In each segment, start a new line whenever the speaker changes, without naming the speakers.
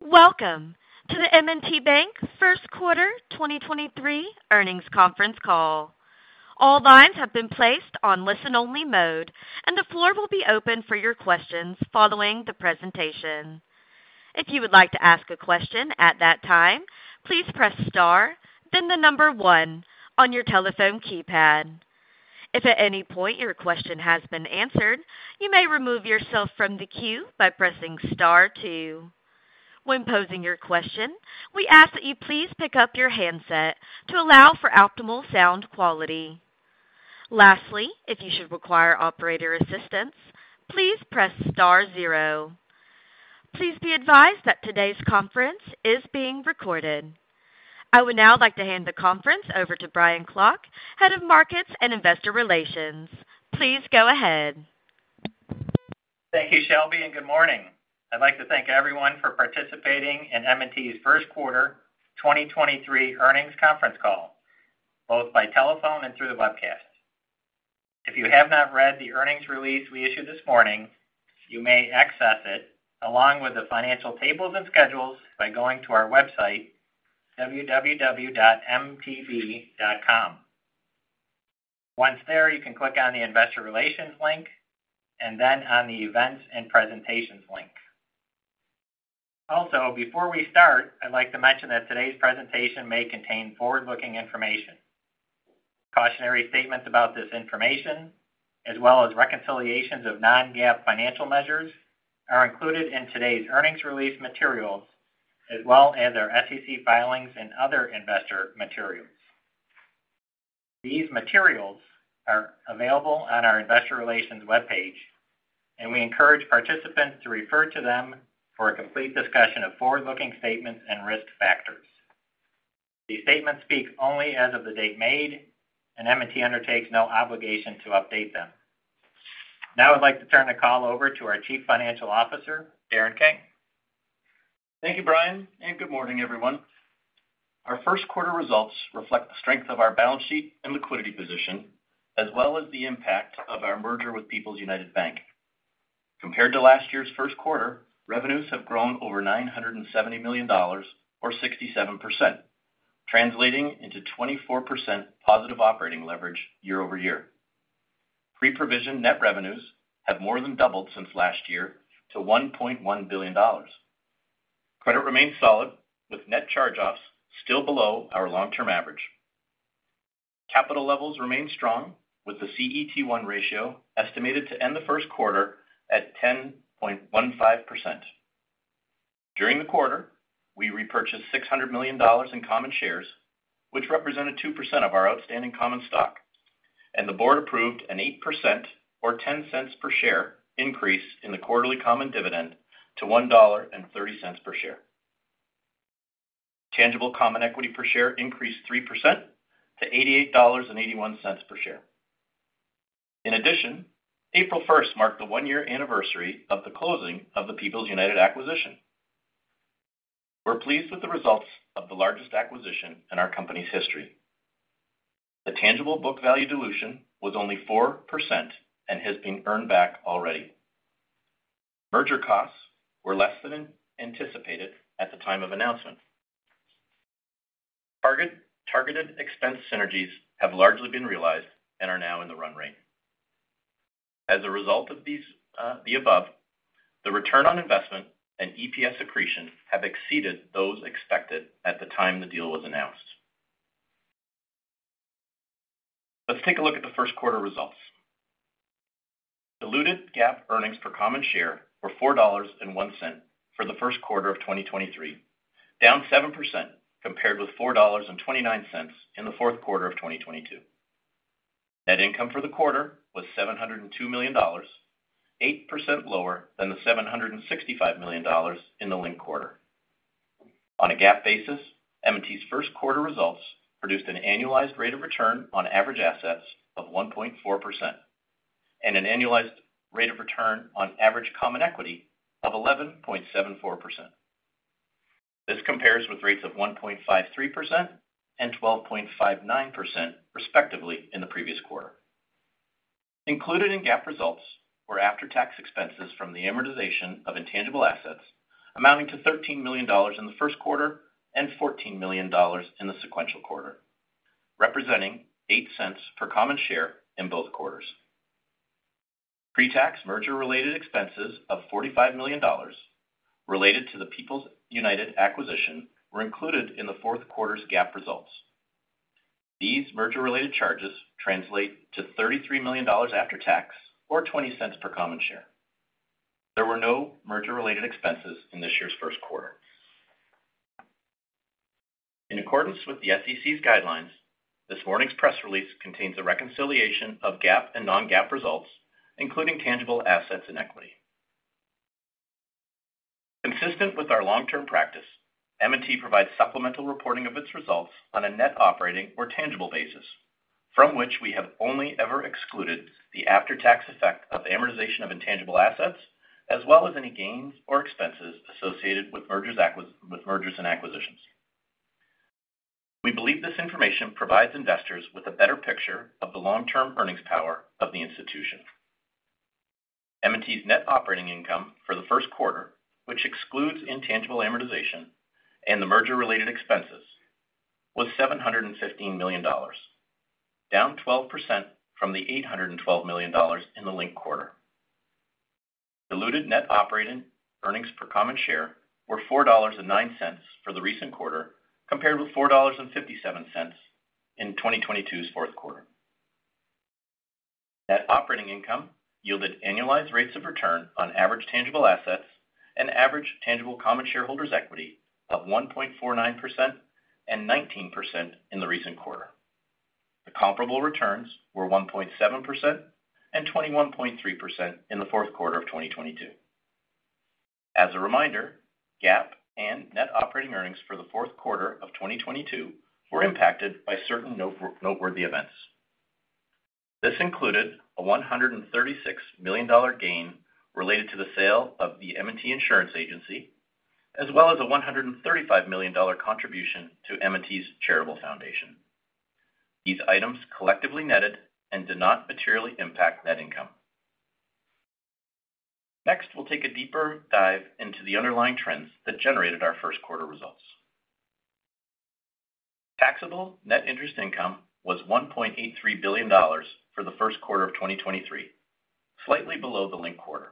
Welcome to the M&T Bank First Quarter 2023 Earnings Conference Call. All lines have been placed on listen-only mode. The floor will be open for your questions following the presentation. If you would like to ask a question at that time, please press star then the one on your telephone keypad. If at any point your question has been answered, you may remove yourself from the queue by pressing star two. When posing your question, we ask that you please pick up your handset to allow for optimal sound quality. Lastly, if you should require operator assistance, please press star zero. Please be advised that today's conference is being recorded. I would now like to hand the conference over to Brian Klock, Head of Markets and Investor Relations. Please go ahead.
Thank you, Shelby, and good morning. I'd like to thank everyone for participating in M&T's First Quarter 2023 Earnings Conference Call, both by telephone and through the webcast. If you have not read the earnings release we issued this morning, you may access it along with the financial tables and schedules by going to our website www.mtb.com. Once there, you can click on the Investor Relations link and then on the Events and Presentations link. Before we start, I'd like to mention that today's presentation may contain forward-looking information. Cautionary statements about this information, as well as reconciliations of non-GAAP financial measures, are included in today's earnings release materials, as well as our SEC filings and other investor materials. These materials are available on our investor relations webpage, and we encourage participants to refer to them for a complete discussion of forward-looking statements and risk factors. These statements speak only as of the date made, and M&T undertakes no obligation to update them. Now I'd like to turn the call over to our Chief Financial Officer, Darren King.
Thank you, Brian. Good morning, everyone. Our first quarter results reflect the strength of our balance sheet and liquidity position, as well as the impact of our merger with People's United Bank. Compared to last year's first quarter, revenues have grown over $970 million or 67%, translating into 24% positive operating leverage year-over-year. Pre-provision net revenues have more than doubled since last year to $1.1 billion. Credit remains solid, with net charge-offs still below our long-term average. Capital levels remain strong, with the CET1 ratio estimated to end the first quarter at 10.15%. During the quarter, we repurchased $600 million in common shares, which represented 2% of our outstanding common stock. The board approved an 8% or $0.10 per share increase in the quarterly common dividend to $1.30 per share. Tangible common equity per share increased 3% to $88.81 per share. In addition, April 1st marked the one-year anniversary of the closing of the People's United acquisition. We're pleased with the results of the largest acquisition in our company's history. The tangible book value dilution was only 4% and has been earned back already. Merger costs were less than anticipated at the time of announcement. Targeted expense synergies have largely been realized and are now in the run rate. As a result of these, the above, the return on investment and EPS accretion have exceeded those expected at the time the deal was announced. Let's take a look at the first quarter results. Diluted GAAP earnings per common share were $4.01 for the first quarter of 2023, down 7% compared with $4.29 in the fourth quarter of 2022. Net income for the quarter was $702 million, 8% lower than the $765 million in the linked quarter. On a GAAP basis, M&T's first quarter results produced an annualized rate of return on average assets of 1.4% and an annualized rate of return on average common equity of 11.74%. This compares with rates of 1.53% and 12.59%, respectively, in the previous quarter. Included in GAAP results were after-tax expenses from the amortization of intangible assets amounting to $13 million in the first quarter and $14 million in the sequential quarter, representing $0.08 per common share in both quarters. Pre-tax merger-related expenses of $45 million related to the People's United acquisition were included in the fourth quarter's GAAP results. These merger-related charges translate to $33 million after tax or $0.20 per common share. There were no merger-related expenses in this year's first quarter. In accordance with the SEC's guidelines, this morning's press release contains a reconciliation of GAAP and non-GAAP results, including tangible assets and equity. Consistent with our long-term practice, M&T provides supplemental reporting of its results on a net operating or tangible basis from which we have only ever excluded the after-tax effect of amortization of intangible assets as well as any gains or expenses associated with mergers with mergers and acquisitions. We believe this information provides investors with a better picture of the long-term earnings power of the institution. M&T's net operating income for the first quarter, which excludes intangible amortization and the merger-related expenses, was $715 million, down 12% from the $812 million in the linked quarter. Diluted net operating earnings per common share were $4.09 for the recent quarter, compared with $4.57 in 2022's fourth quarter. Net operating income yielded annualized rates of return on average tangible assets and average tangible common shareholders equity of 1.49% and 19% in the recent quarter. The comparable returns were 1.7% and 21.3% in the fourth quarter of 2022. As a reminder, GAAP and net operating earnings for the fourth quarter of 2022 were impacted by certain noteworthy events. This included a $136 million gain related to the sale of the M&T Insurance Agency, as well as a $135 million contribution to M&T's charitable foundation. These items collectively netted and did not materially impact net income. We'll take a deeper dive into the underlying trends that generated our first quarter results. Taxable net interest income was $1.83 billion for the first quarter of 2023, slightly below the linked quarter.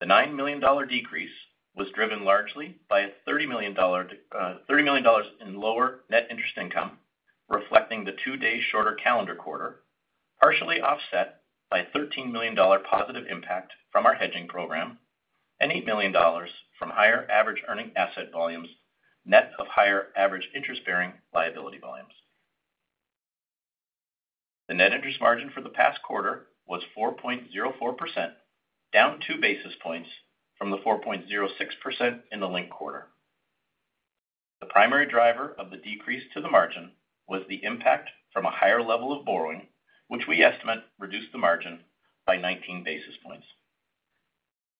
The $9 million decrease was driven largely by a $30 million in lower net interest income, reflecting the 2-day shorter calendar quarter, partially offset by $13 million positive impact from our hedging program and $8 million from higher average earning asset volumes, net of higher average interest-bearing liability volumes. The net interest margin for the past quarter was 4.04%, down two basis points from the 4.06% in the linked quarter. The primary driver of the decrease to the margin was the impact from a higher level of borrowing, which we estimate reduced the margin by 19 basis points.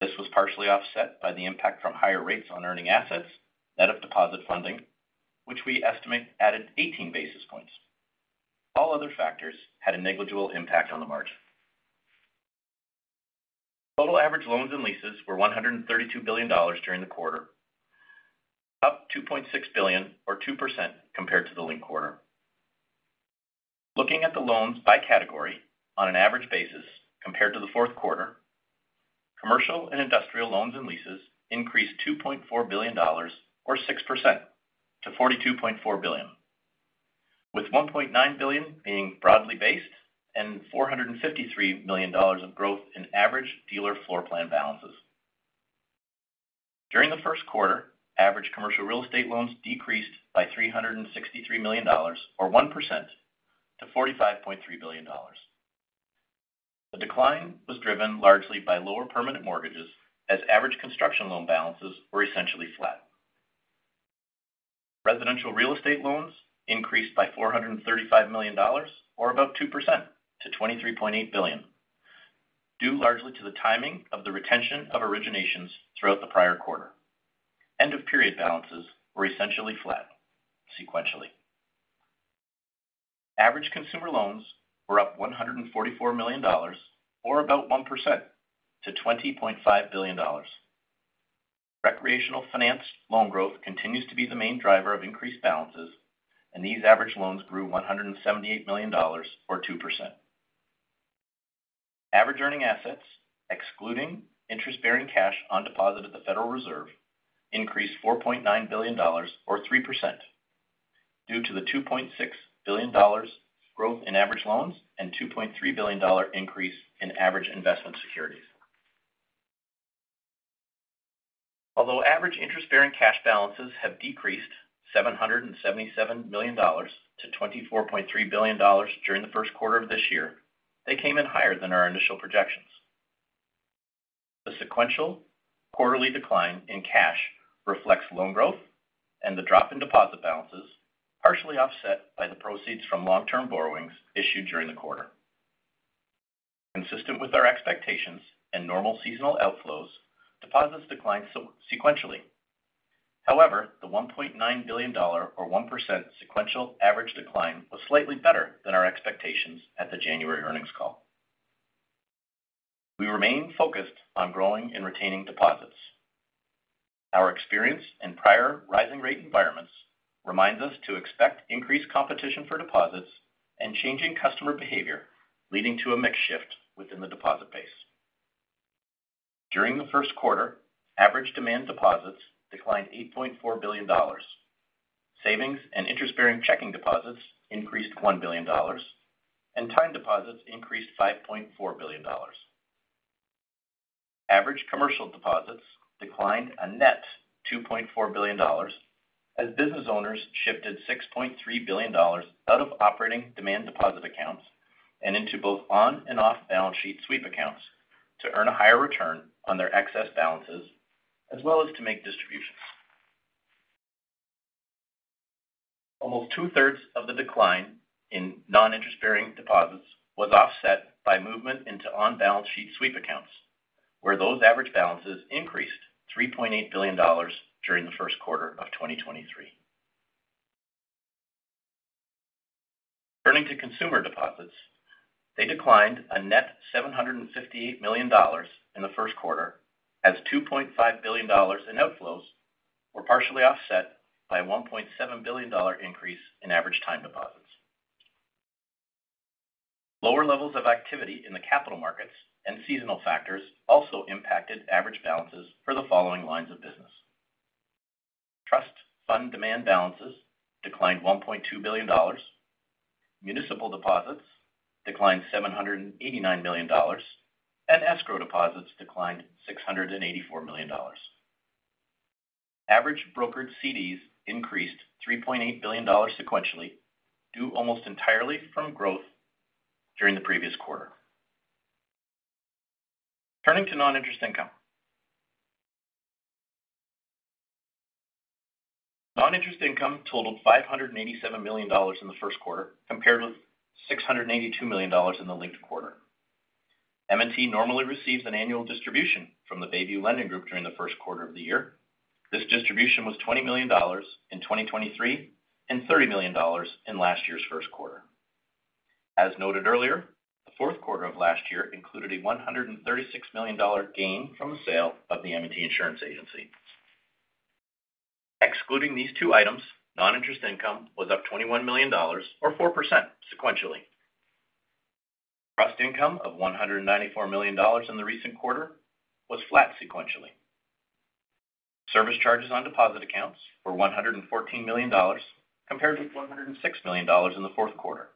This was partially offset by the impact from higher rates on earning assets, net of deposit funding, which we estimate added 18 basis points. All other factors had a negligible impact on the margin. Total average loans and leases were $132 billion during the quarter, up $2.6 billion or 2% compared to the linked quarter. Looking at the loans by category on an average basis compared to the fourth quarter, commercial and industrial loans and leases increased $2.4 billion or 6% to $42.4 billion, with $1.9 billion being broadly based and $453 million of growth in average dealer floorplan balances. During the first quarter, average commercial real estate loans decreased by $363 million or 1% to $45.3 billion. The decline was driven largely by lower permanent mortgages as average construction loan balances were essentially flat. Residential real estate loans increased by $435 million or about 2% to $23.8 billion, due largely to the timing of the retention of originations throughout the prior quarter. End of period balances were essentially flat sequentially. Average consumer loans were up $144 million or about 1% to $20.5 billion. Recreational finance loan growth continues to be the main driver of increased balances, and these average loans grew $178 million or 2%. Average earning assets, excluding interest-bearing cash on deposit at the Federal Reserve, increased $4.9 billion or 3% due to the $2.6 billion growth in average loans and $2.3 billion increase in average investment securities. Although average interest-bearing cash balances have decreased $777 million to $24.3 billion during the first quarter of this year, they came in higher than our initial projections. The sequential quarterly decline in cash reflects loan growth and the drop in deposit balances, partially offset by the proceeds from long-term borrowings issued during the quarter. Consistent with our expectations and normal seasonal outflows, deposits declined sequentially. However, the $1.9 billion or 1% sequential average decline was slightly better than our expectations at the January earnings call. We remain focused on growing and retaining deposits. Our experience in prior rising rate environments reminds us to expect increased competition for deposits and changing customer behavior, leading to a mix shift within the deposit base. During the first quarter, average demand deposits declined $8.4 billion. Savings and interest-bearing checking deposits increased $1 billion and time deposits increased $5.4 billion. Average commercial deposits declined a net $2.4 billion as business owners shifted $6.3 billion out of operating demand deposit accounts and into both on and off balance sheet sweep accounts to earn a higher return on their excess balances, as well as to make distributions. Almost 2/3 of the decline in non-interest-bearing deposits was offset by movement into on-balance sheet sweep accounts. Where those average balances increased $3.8 billion during the first quarter of 2023. Turning to consumer deposits, they declined a net $758 million in the first quarter as $2.5 billion in outflows were partially offset by a $1.7 billion increase in average time deposits. Lower levels of activity in the capital markets and seasonal factors also impacted average balances for the following lines of business. Trust fund demand balances declined $1.2 billion. Municipal deposits declined $789 million, and escrow deposits declined $684 million. Average brokered CDs increased $3.8 billion sequentially, due almost entirely from growth during the previous quarter. Turning to non-interest income. Non-interest income totaled $587 million in the first quarter compared with $682 million in the linked quarter. M&T normally receives an annual distribution from the Bayview Lending Group during the first quarter of the year. This distribution was $20 million in 2023 and $30 million in last year's first quarter. As noted earlier, the fourth quarter of last year included a $136 million gain from the sale of the M&T Insurance Agency. Excluding these two items, non-interest income was up $21 million or 4% sequentially. Trust income of $194 million in the recent quarter was flat sequentially. Service charges on deposit accounts were $114 million compared to $106 million in the fourth quarter.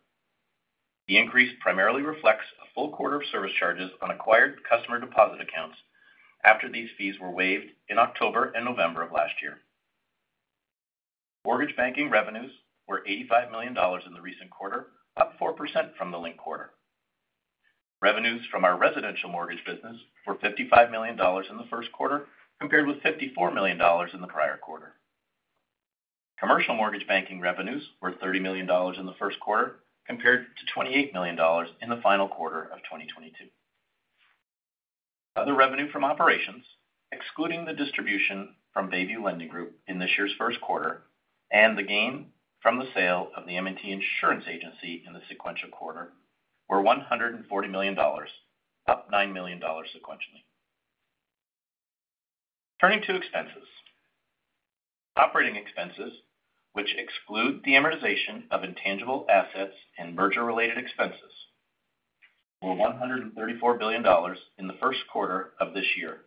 The increase primarily reflects a full quarter of service charges on acquired customer deposit accounts after these fees were waived in October and November of last year. Mortgage banking revenues were $85 million in the recent quarter, up 4% from the linked quarter. Revenues from our residential mortgage business were $55 million in the first quarter compared with $54 million in the prior quarter. Commercial mortgage banking revenues were $30 million in the first quarter compared to $28 million in the final quarter of 2022. Other revenue from operations, excluding the distribution from Bayview Lending Group in this year's first quarter and the gain from the sale of the M&T Insurance Agency in the sequential quarter, were $140 million, up $9 million sequentially. Turning to expenses. Operating expenses, which exclude the amortization of intangible assets and merger-related expenses, were $134 billion in the first quarter of this year,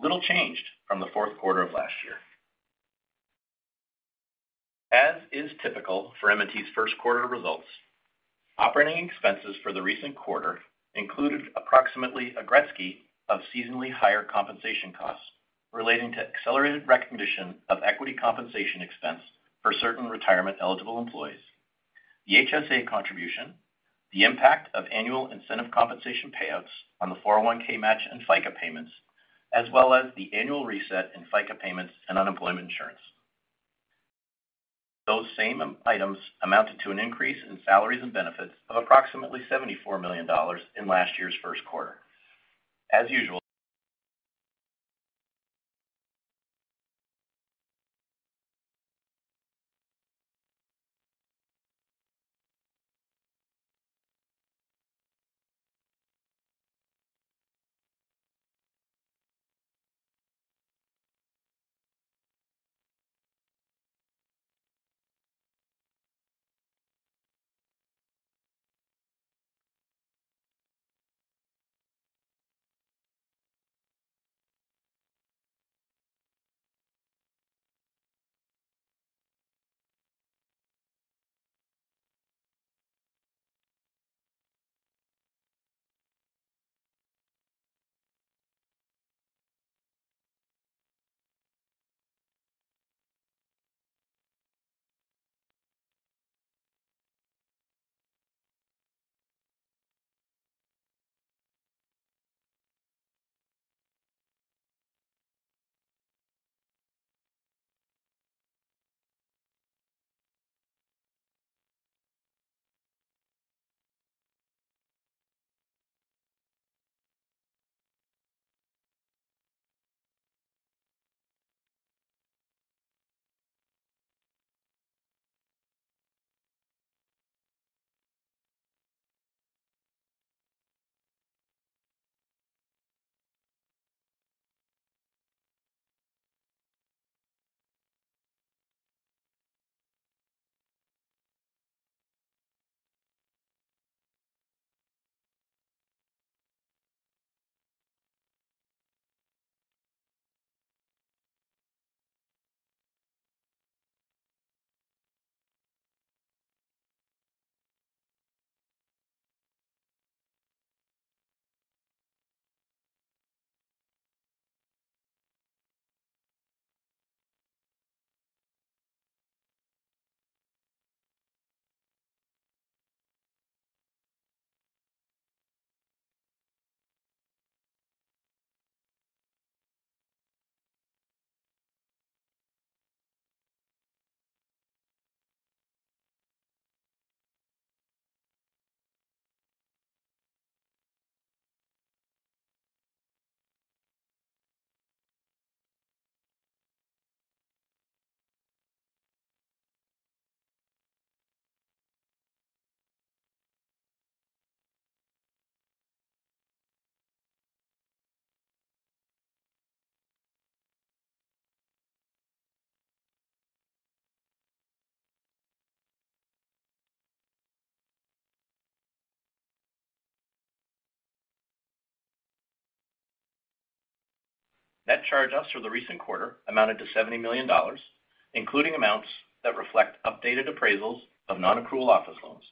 little changed from the fourth quarter of last year. As is typical for M&T's first quarter results, operating expenses for the recent quarter included approximately a Gretzky of seasonally higher compensation costs relating to accelerated recognition of equity compensation expense for certain retirement-eligible employees. The HSA contribution, the impact of annual incentive compensation payouts on the 401(k) match and FICA payments, as well as the annual reset in FICA payments and unemployment insurance. Those same items amounted to an increase in salaries and benefits of approximately $74 million in last year's first quarter. As usual. Net charge-offs for the recent quarter amounted to $70 million, including amounts that reflect updated appraisals of non-accrual office loans.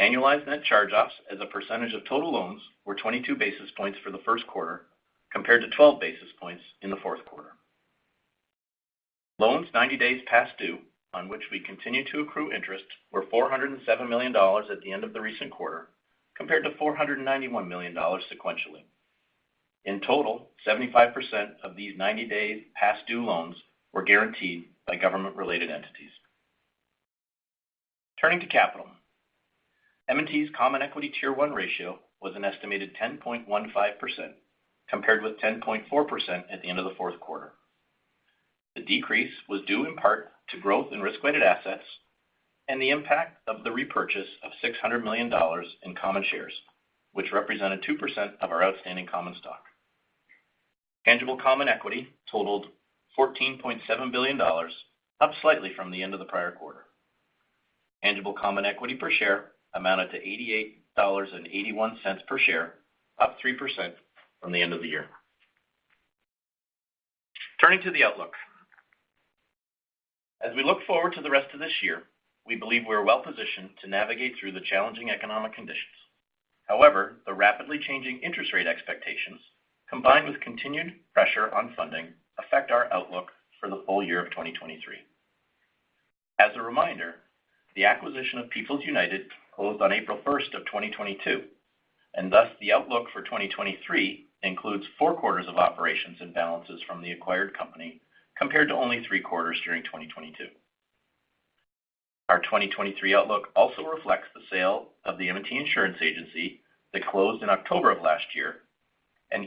Annualized net charge-offs as a percentage of total loans were 22 basis points for the first quarter compared to 12 basis points in the fourth quarter. Loans 90 days past due on which we continue to accrue interest were $407 million at the end of the recent quarter compared to $491 million sequentially. In total, 75% of these 90-day past due loans were guaranteed by government-related entities. Turning to capital. M&T's common equity Tier 1 ratio was an estimated 10.15% compared with 10.44% at the end of the fourth quarter. The decrease was due in part to growth in risk-weighted assets and the impact of the repurchase of $600 million in common shares, which represented 2% of our outstanding common stock. Tangible common equity totaled $14.7 billion, up slightly from the end of the prior quarter. Tangible common equity per share amounted to $88.81 per share, up 3% from the end of the year. Turning to the outlook. As we look forward to the rest of this year, we believe we're well-positioned to navigate through the challenging economic conditions. However, the rapidly changing interest rate expectations, combined with continued pressure on funding, affect our outlook for the full year of 2023. As a reminder, the acquisition of People's United closed on April 1st, 2022, and thus the outlook for 2023 includes four quarters of operations and balances from the acquired company compared to only three quarters during 2022. Our 2023 outlook also reflects the sale of the M&T Insurance Agency that closed in October of last year.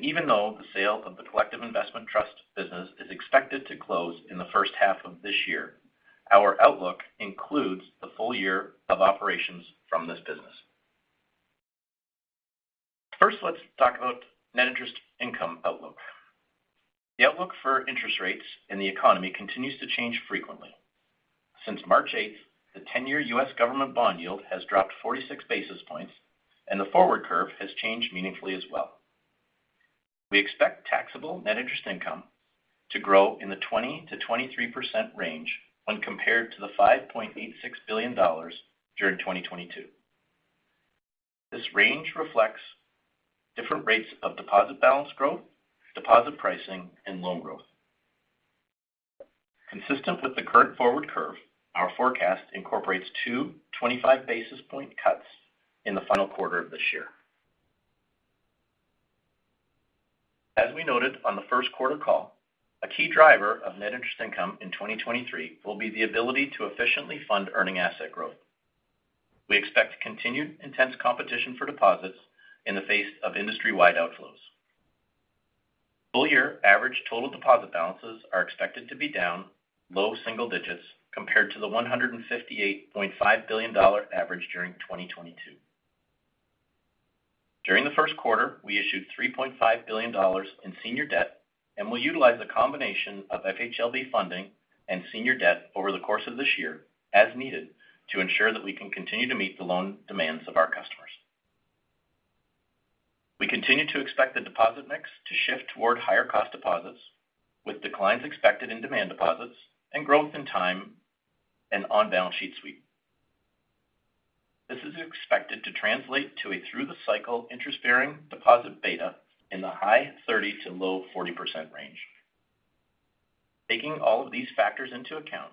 Even though the sale of the Collective Investment Trust business is expected to close in the first half of this year, our outlook includes the full year of operations from this business. First, let's talk about net interest income outlook. The outlook for interest rates in the economy continues to change frequently. Since March 8th, the 10-year U.S. government bond yield has dropped 46 basis points, and the forward curve has changed meaningfully as well. We expect taxable net interest income to grow in the 20%-23% range when compared to the $5.86 billion during 2022. This range reflects different rates of deposit balance growth, deposit pricing, and loan growth. Consistent with the current forward curve, our forecast incorporates two 25 basis point cuts in the final quarter of this year. As we noted on the first quarter call, a key driver of net interest income in 2023 will be the ability to efficiently fund earning asset growth. We expect continued intense competition for deposits in the face of industry-wide outflows. Full year average total deposit balances are expected to be down low single digits compared to the $158.5 billion average during 2022. During the first quarter, we issued $3.5 billion in senior debt and will utilize a combination of FHLB funding and senior debt over the course of this year as needed to ensure that we can continue to meet the loan demands of our customers. We continue to expect the deposit mix to shift toward higher cost deposits, with declines expected in demand deposits and growth in time and on-balance sheet sweep. This is expected to translate to a through the cycle interest-bearing deposit beta in the high 30 to low 40% range. Taking all of these factors into account,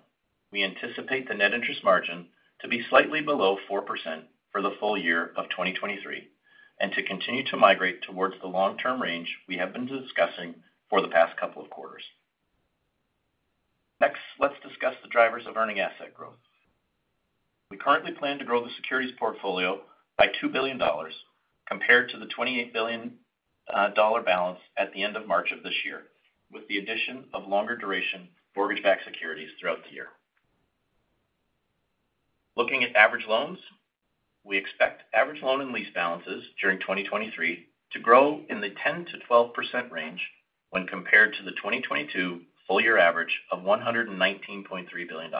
we anticipate the net interest margin to be slightly below 4% for the full year of 2023 and to continue to migrate towards the long-term range we have been discussing for the past couple of quarters. Next, let's discuss the drivers of earning asset growth. We currently plan to grow the securities portfolio by $2 billion compared to the $28 billion dollar balance at the end of March of this year, with the addition of longer duration mortgage-backed securities throughout the year. Looking at average loans, we expect average loan and lease balances during 2023 to grow in the 10%-12% range when compared to the 2022 full year average of $119.3 billion.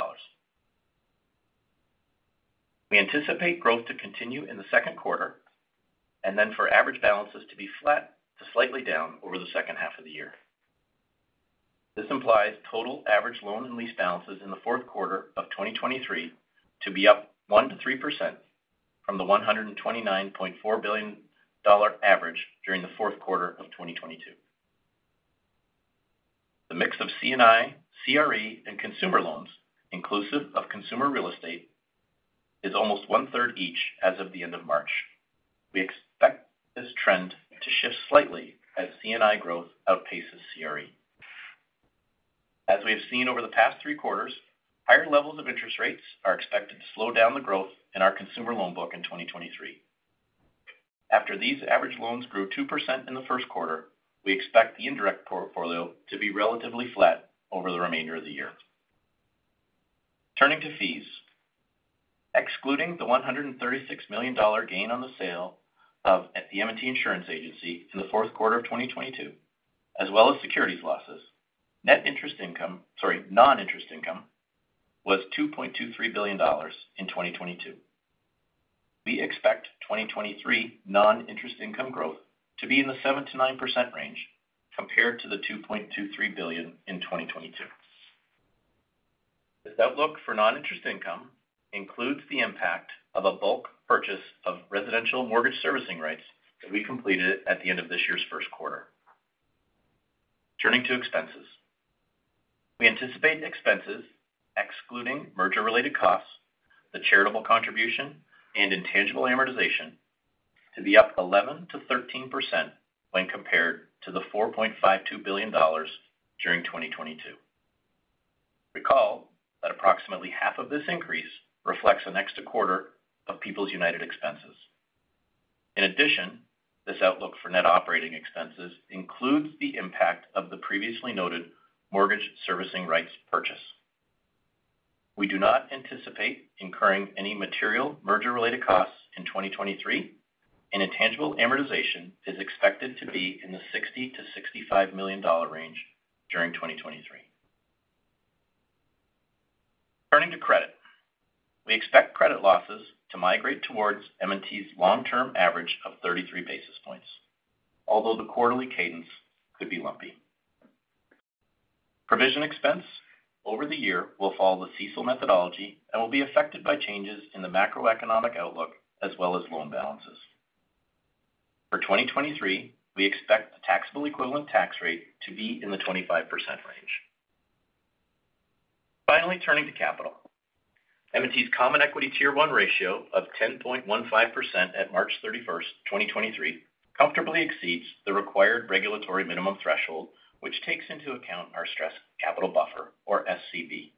We anticipate growth to continue in the second quarter and then for average balances to be flat to slightly down over the second half of the year. This implies total average loan and lease balances in the fourth quarter of 2023 to be up 1%-3% from the $129.4 billion average during the fourth quarter of 2022. The mix of C&I, CRE, and consumer loans, inclusive of consumer real estate, is almost 1/3 each as of the end of March. We expect this trend to shift slightly as C&I growth outpaces CRE. As we have seen over the past three quarters, higher levels of interest rates are expected to slow down the growth in our consumer loan book in 2023. After these average loans grew 2% in the first quarter, we expect the indirect portfolio to be relatively flat over the remainder of the year. Turning to fees. Excluding the $136 million gain on the sale of the M&T Insurance Agency in the fourth quarter of 2022, as well as securities losses, net interest income, sorry, non-interest income was $2.23 billion in 2022. We expect 2023 non-interest income growth to be in the 7%-9% range compared to the $2.23 billion in 2022. This outlook for non-interest income includes the impact of a bulk purchase of residential mortgage servicing rights that we completed at the end of this year's first quarter. Turning to expenses. We anticipate expenses excluding merger-related costs, the charitable contribution, and intangible amortization to be up 11%-13% when compared to the $4.52 billion during 2022. Recall that approximately half of this increase reflects the next quarter of People's United expenses. This outlook for net operating expenses includes the impact of the previously noted mortgage servicing rights purchase. We do not anticipate incurring any material merger-related costs in 2023, and intangible amortization is expected to be in the $60 million-$65 million range during 2023. Turning to credit. We expect credit losses to migrate towards M&T's long-term average of 33 basis points, although the quarterly cadence could be lumpy. Provision expense over the year will follow the CECL methodology and will be affected by changes in the macroeconomic outlook as well as loan balances. For 2023, we expect the taxable equivalent tax rate to be in the 25% range. Turning to capital. M&T's common equity tier one ratio of 10.15% at March 31st, 2023, comfortably exceeds the required regulatory minimum threshold, which takes into account our stress capital buffer or SCB.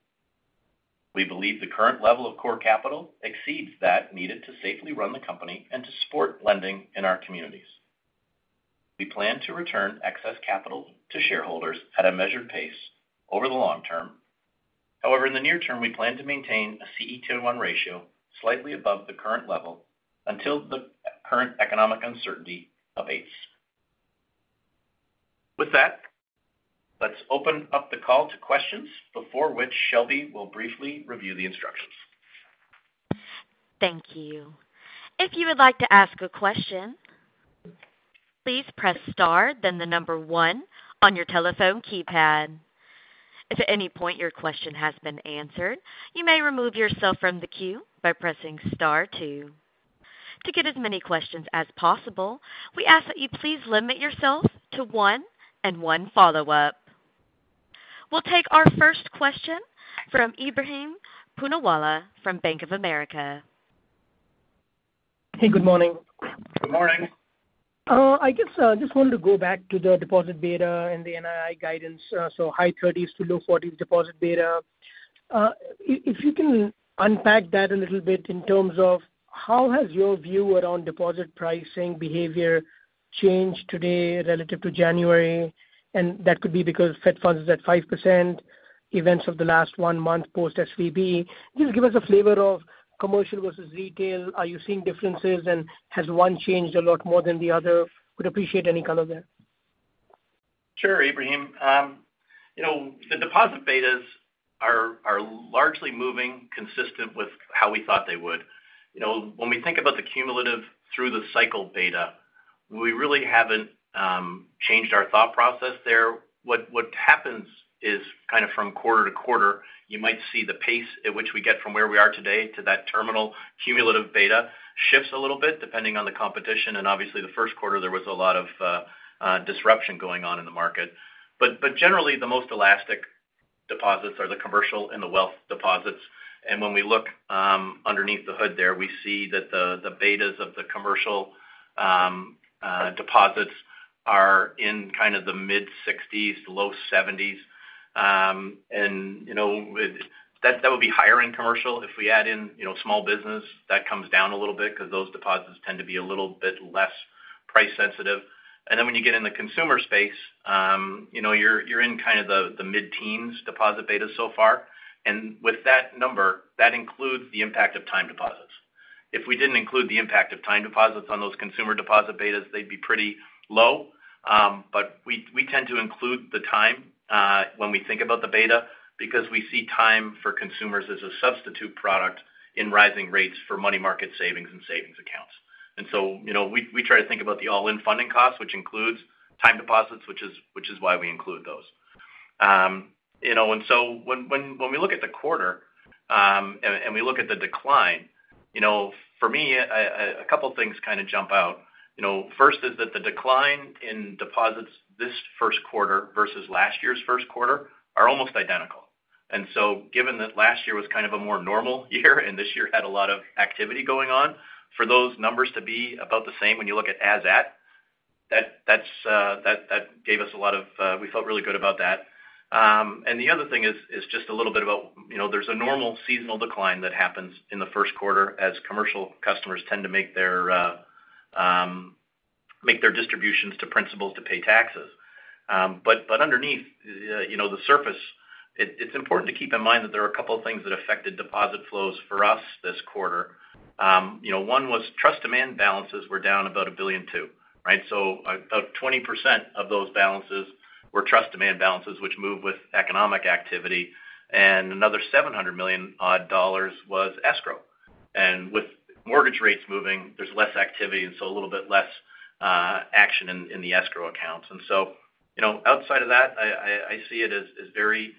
We believe the current level of core capital exceeds that needed to safely run the company and to support lending in our communities. We plan to return excess capital to shareholders at a measured pace over the long term. In the near term, we plan to maintain a CE Tier 1 ratio slightly above the current level until the current economic uncertainty abates. With that, let's open up the call to questions before which Shelby will briefly review the instructions.
Thank you. If you would like to ask a question, please press star then the number one on your telephone keypad. If at any point your question has been answered, you may remove yourself from the queue by pressing star two. To get as many questions as possible, we ask that you please limit yourself to one and one follow-up. We'll take our first question from Ebrahim Poonawala from Bank of America.
Hey, good morning.
Good morning.
I guess, just wanted to go back to the deposit beta and the NII guidance, so high 30s to low 40s deposit beta. If you can unpack that a little bit in terms of how has your view around deposit pricing behavior changed today relative to January, and that could be because Fed funds is at 5%, events of the last 1 month post SVB. Just give us a flavor of commercial versus retail. Are you seeing differences, and has one changed a lot more than the other? Would appreciate any color there.
Sure, Ebrahim. You know, the deposit betas are largely moving consistent with how we thought they would. You know, when we think about the cumulative through the cycle beta, we really haven't changed our thought process there. What happens is from quarter to quarter, you might see the pace at which we get from where we are today to that terminal cumulative beta shifts a little bit depending on the competition. Obviously the first quarter, there was a lot of disruption going on in the market. Generally the most elastic deposits are the commercial and the wealth deposits. When we look underneath the hood there, we see that the betas of the commercial deposits are in the mid-60s to low 70s. You know, that would be higher in commercial if we add in, you know, small business, that comes down a little bit because those deposits tend to be a little bit less price sensitive. When you get in the consumer space, you know, you're in kind of the mid-teens deposit beta so far. With that number, that includes the impact of time deposits. If we didn't include the impact of time deposits on those consumer deposit betas, they'd be pretty low. We tend to include the time when we think about the beta because we see time for consumers as a substitute product in rising rates for money market savings and savings accounts. You know, we try to think about the all-in funding cost, which includes time deposits, which is why we include those. you know, when we look at the quarter, and we look at the decline, you know, for me, a couple things kind of jump out. You know, first is that the decline in deposits this first quarter versus last year's first quarter are almost identical. given that last year was kind of a more normal year and this year had a lot of activity going on, for those numbers to be about the same when you look at as That gave us a lot of, we felt really good about that. The other thing is just a little bit about, you know, there's a normal seasonal decline that happens in the first quarter as commercial customers tend to make their distributions to principals to pay taxes. Underneath, you know, the surface, it's important to keep in mind that there are a couple of things that affected deposit flows for us this quarter. One was trust demand balances were down about $1.2 billion, right? About 20% of those balances were trust demand balances, which move with economic activity. Another $700 million odd dollars was escrow. With mortgage rates moving, there's less activity, and so a little bit less action in the escrow accounts. You know, outside of that, I see it as very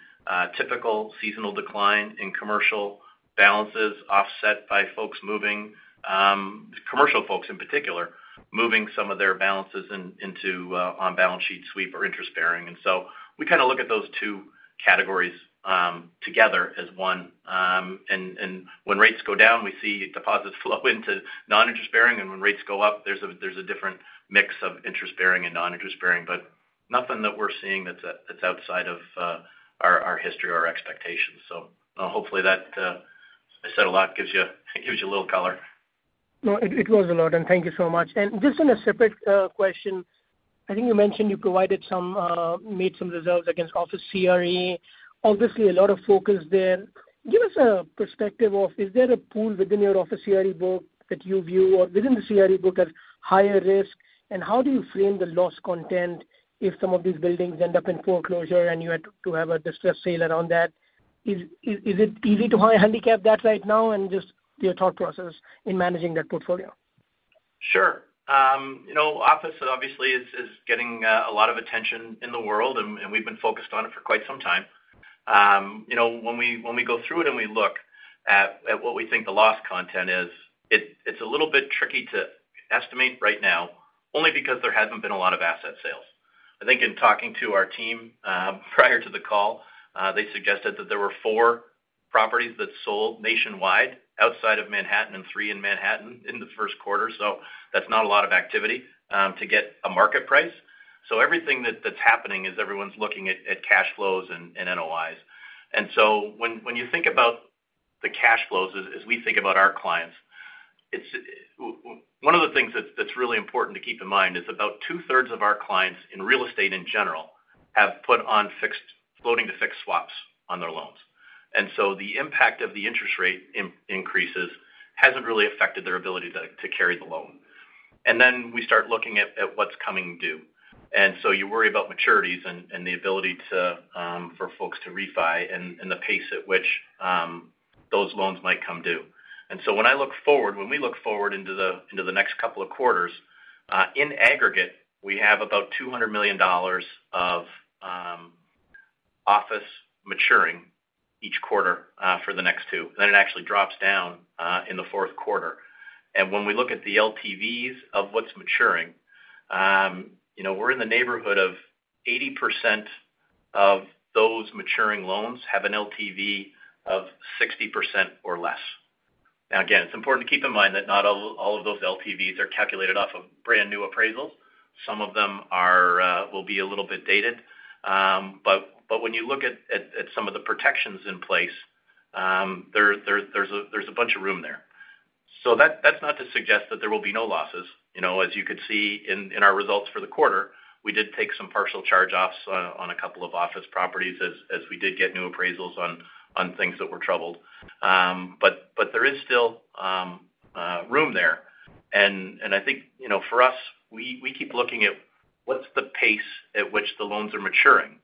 typical seasonal decline in commercial balances offset by folks moving, commercial folks in particular, moving some of their balances into on balance sheet sweep or interest-bearing. We kind of look at those two categories together as one. When rates go down, we see deposits flow into non-interest bearing. When rates go up, there's a different mix of interest-bearing and non-interest bearing. Nothing that we're seeing that's outside of our history or our expectations. Hopefully that I said a lot, gives you a little color.
No, it was a lot, and thank you so much. Just on a separate question, I think you mentioned you provided some, made some reserves against office CRE. Obviously, a lot of focus there. Give us a perspective of, is there a pool within your office CRE book that you view or within the CRE book at higher risk, and how do you frame the loss content if some of these buildings end up in foreclosure and you had to have a distressed sale around that? Is it easy to handicap that right now? Just your thought process in managing that portfolio.
Sure. you know, office obviously is getting a lot of attention in the world, we've been focused on it for quite some time. you know, when we go through it and we look at what we think the loss content is, it's a little bit tricky to estimate right now, only because there hasn't been a lot of asset sales. I think in talking to our team, prior to the call, they suggested that there were four properties that sold nationwide outside of Manhattan and three in Manhattan in the first quarter. That's not a lot of activity to get a market price. Everything that's happening is everyone's looking at cash flows and NOIs. when you think about the cash flows as we think about our clients, it's one of the things that's really important to keep in mind is about two-thirds of our clients in real estate in general have put on fixed floating to fixed swaps on their loans. The impact of the interest rate increases hasn't really affected their ability to carry the loan. Then we start looking at what's coming due. You worry about maturities and the ability to for folks to refi and the pace at which those loans might come due. When I look forward, when we look forward into the next couple of quarters, in aggregate, we have about $200 million of office maturing each quarter for the next two. It actually drops down in the fourth quarter. When we look at the LTVs of what's maturing, you know, we're in the neighborhood of 80% of those maturing loans have an LTV of 60% or less. Again, it's important to keep in mind that not all of those LTVs are calculated off of brand-new appraisals. Some of them will be a little bit dated. But when you look at some of the protections in place, there's a bunch of room there. That's not to suggest that there will be no losses. You know, as you could see in our results for the quarter, we did take some partial charge-offs on a couple of office properties as we did get new appraisals on things that were troubled. There is still room there. I think, you know, for us, we keep looking at what's the pace at which the loans are maturing.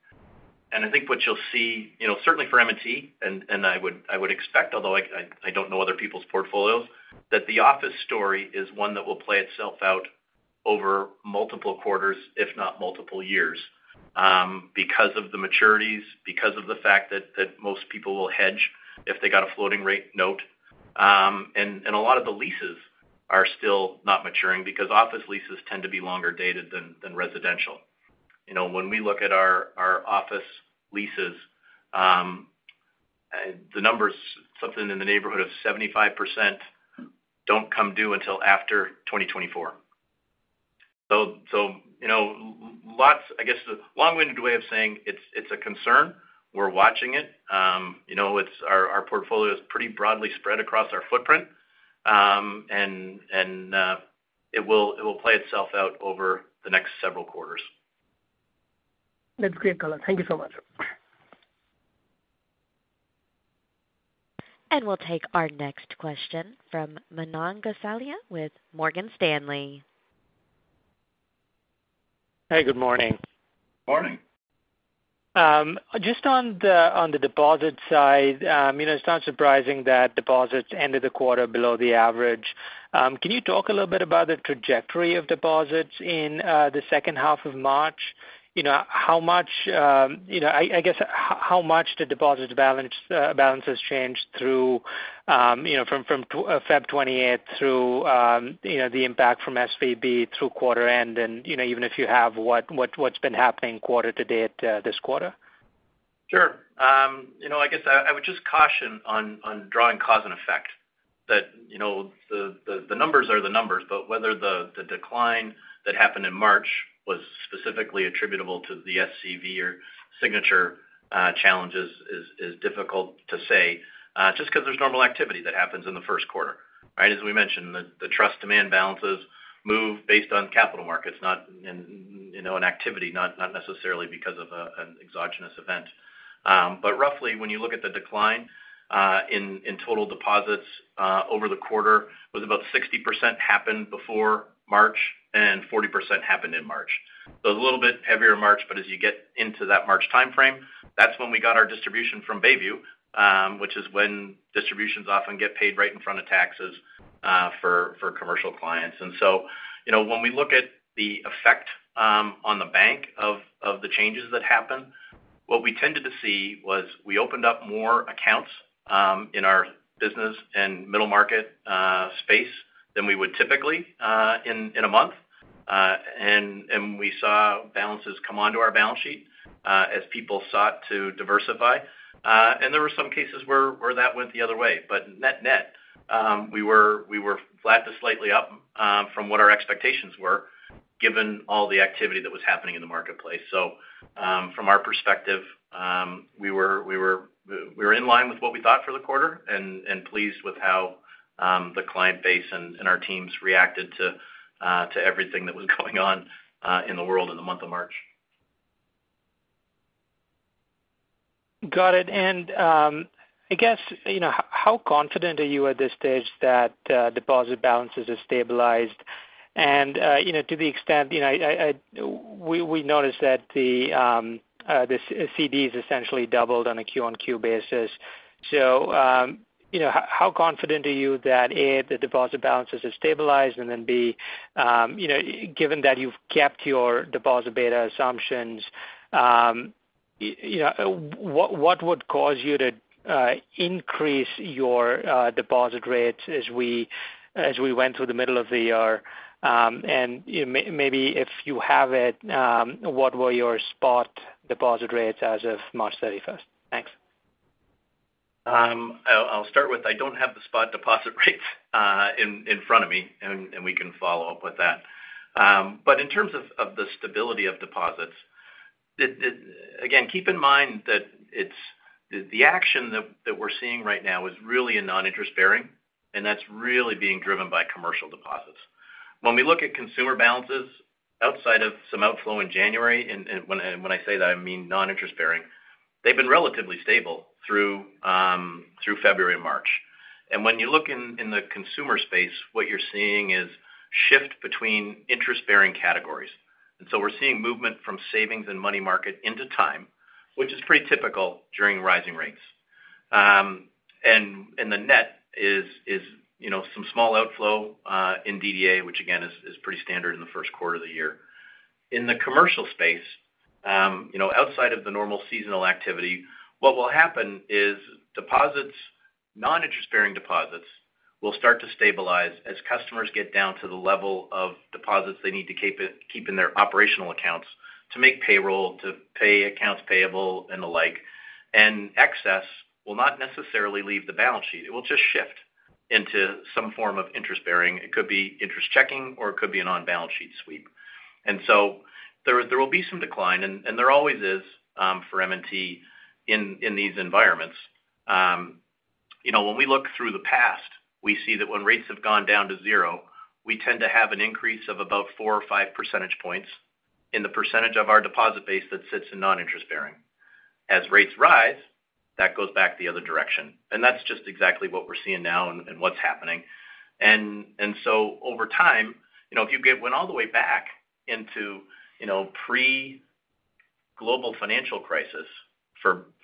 I think what you'll see, you know, certainly for M&T, and I would expect, although I don't know other people's portfolios, that the office story is one that will play itself out over multiple quarters, if not multiple years, because of the maturities, because of the fact that most people will hedge if they got a floating rate note. A lot of the leases are still not maturing because office leases tend to be longer dated than residential. You know, when we look at our office leases, the numbers, something in the neighborhood of 75% don't come due until after 2024. You know, I guess the long-winded way of saying it's a concern. We're watching it. You know, our portfolio is pretty broadly spread across our footprint. It will play itself out over the next several quarters.
That's great color. Thank you so much.
We'll take our next question from Manan Gosalia with Morgan Stanley.
Hey, good morning.
Morning.
Just on the, on the deposit side, you know, it's not surprising that deposits ended the quarter below the average. Can you talk a little bit about the trajectory of deposits in the second half of March? You know, how much, you know, I guess, how much the deposit balance, balances changed through, you know, from, Feb 28th through, you know, the impact from SVB through quarter end? You know, even if you have what's been happening quarter to date, this quarter?
Sure. you know, I guess I would just caution on drawing cause and effect that, you know, the numbers are the numbers, whether the decline that happened in March was specifically attributable to the SVB or Signature challenges is difficult to say just because there's normal activity that happens in the first quarter, right? As we mentioned, the trust demand balances move based on capital markets, not in, you know, an activity, not necessarily because of an exogenous event. roughly when you look at the decline in total deposits over the quarter was about 60% happened before March and 40% happened in March. A little bit heavier March, but as you get into that March timeframe, that's when we got our distribution from Bayview, which is when distributions often get paid right in front of taxes for commercial clients. You know, when we look at the effect on the bank of the changes that happened, what we tended to see was we opened up more accounts in our business and middle market space than we would typically in a month. We saw balances come onto our balance sheet as people sought to diversify. There were some cases where that went the other way. Net we were flat to slightly up from what our expectations were given all the activity that was happening in the marketplace. From our perspective, we were in line with what we thought for the quarter and pleased with how the client base and our teams reacted to everything that was going on in the world in the month of March.
Got it. I guess, you know, how confident are you at this stage that deposit balances have stabilized? You know, to the extent, you know, we noticed that the CDs essentially doubled on a Q-on-Q basis. You know, how confident are you that, A, the deposit balances have stabilized, and then, B, you know, given that you've kept your deposit beta assumptions, you know, what would cause you to increase your deposit rates as we, as we went through the middle of the year? Maybe if you have it, what were your spot deposit rates as of March 31st? Thanks.
I'll start with I don't have the spot deposit rates in front of me, and we can follow up with that. In terms of the stability of deposits, again, keep in mind that the action that we're seeing right now is really in non-interest bearing, and that's really being driven by commercial deposits. When we look at consumer balances outside of some outflow in January, and when I say that, I mean non-interest bearing, they've been relatively stable through February and March. When you look in the consumer space, what you're seeing is shift between interest-bearing categories. We're seeing movement from savings and money market into time, which is pretty typical during rising rates. The net is, you know, some small outflow in DDA, which again is pretty standard in the first quarter of the year. In the commercial space, you know, outside of the normal seasonal activity, what will happen is deposits, non-interest bearing deposits will start to stabilize as customers get down to the level of deposits they need to keep in their operational accounts to make payroll, to pay accounts payable and the like. Excess will not necessarily leave the balance sheet. It will just shift into some form of interest bearing. It could be interest checking, or it could be a non-balance sheet sweep. There will be some decline, and there always is for M&T in these environments. You know, when we look through the past, we see that when rates have gone down to zero, we tend to have an increase of about four or five percentage points in the percentage of our deposit base that sits in non-interest bearing. As rates rise, that goes back the other direction. That's just exactly what we're seeing now and what's happening. Over time, you know, if you went all the way back into, you know, pre-Global Financial Crisis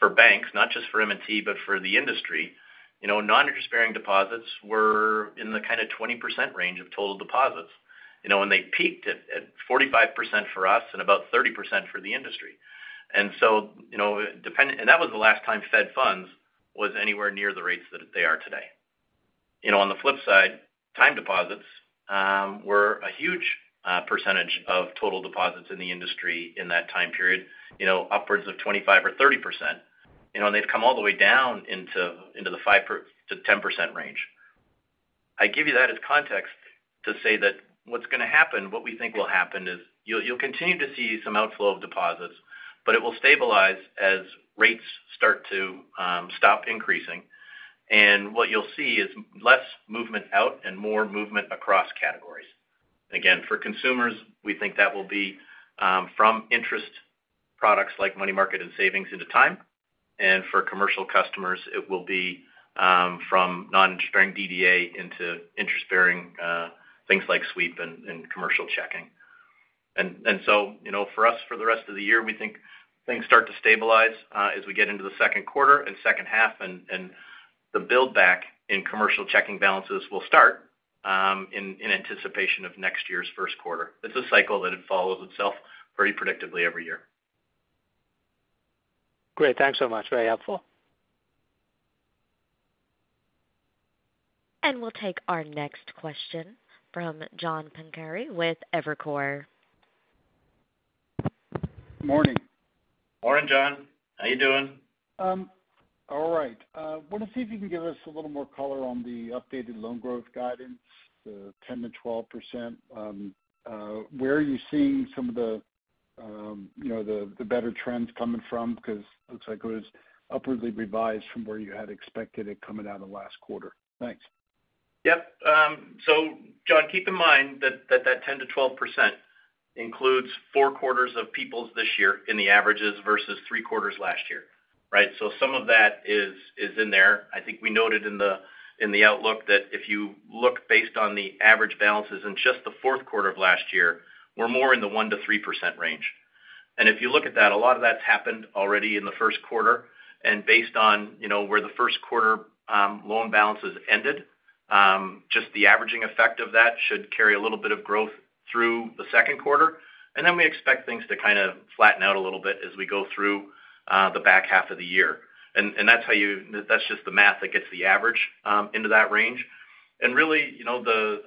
for banks, not just for M&T, but for the industry, you know, non-interest bearing deposits were in the kind of 20% range of total deposits, you know, and they peaked at 45% for us and about 30% for the industry. You know, that was the last time Fed funds was anywhere near the rates that they are today. You know, on the flip side, time deposits, were a huge percentage of total deposits in the industry in that time period, you know, upwards of 25%-30%. They've come all the way down into the 5%-10% range. I give you that as context to say that what's gonna happen, what we think will happen is you'll continue to see some outflow of deposits, but it will stabilize as rates start to stop increasing. What you'll see is less movement out and more movement across categories. Again, for consumers, we think that will be from interest products like money market and savings into time. For commercial customers, it will be from non-interest bearing DDA into interest-bearing things like sweep and commercial checking. You know, for us, for the rest of the year, we think things start to stabilize as we get into the second quarter and second half, and the build back in commercial checking balances will start in anticipation of next year's first quarter. It's a cycle that it follows itself very predictably every year.
Great. Thanks so much. Very helpful.
We'll take our next question from John Pancari with Evercore.
Morning.
Morning, John. How you doing?
All right. Wanna see if you can give us a little more color on the updated loan growth guidance, the 10%-12%. Where are you seeing some of the, you know, the better trends coming from? Because looks like it was upwardly revised from where you had expected it coming out of last quarter. Thanks.
Yep. John, keep in mind that 10%-12% includes four quarters of People's this year in the averages versus three quarters last year, right? Some of that is in there. I think we noted in the outlook that if you look based on the average balances in just the fourth quarter of last year, we're more in the 1%-3% range. If you look at that, a lot of that's happened already in the first quarter. Based on, you know, where the first quarter loan balances ended, just the averaging effect of that should carry a little bit of growth through the second quarter. We expect things to kind of flatten out a little bit as we go through the back half of the year. That's just the math that gets the average into that range. Really, you know,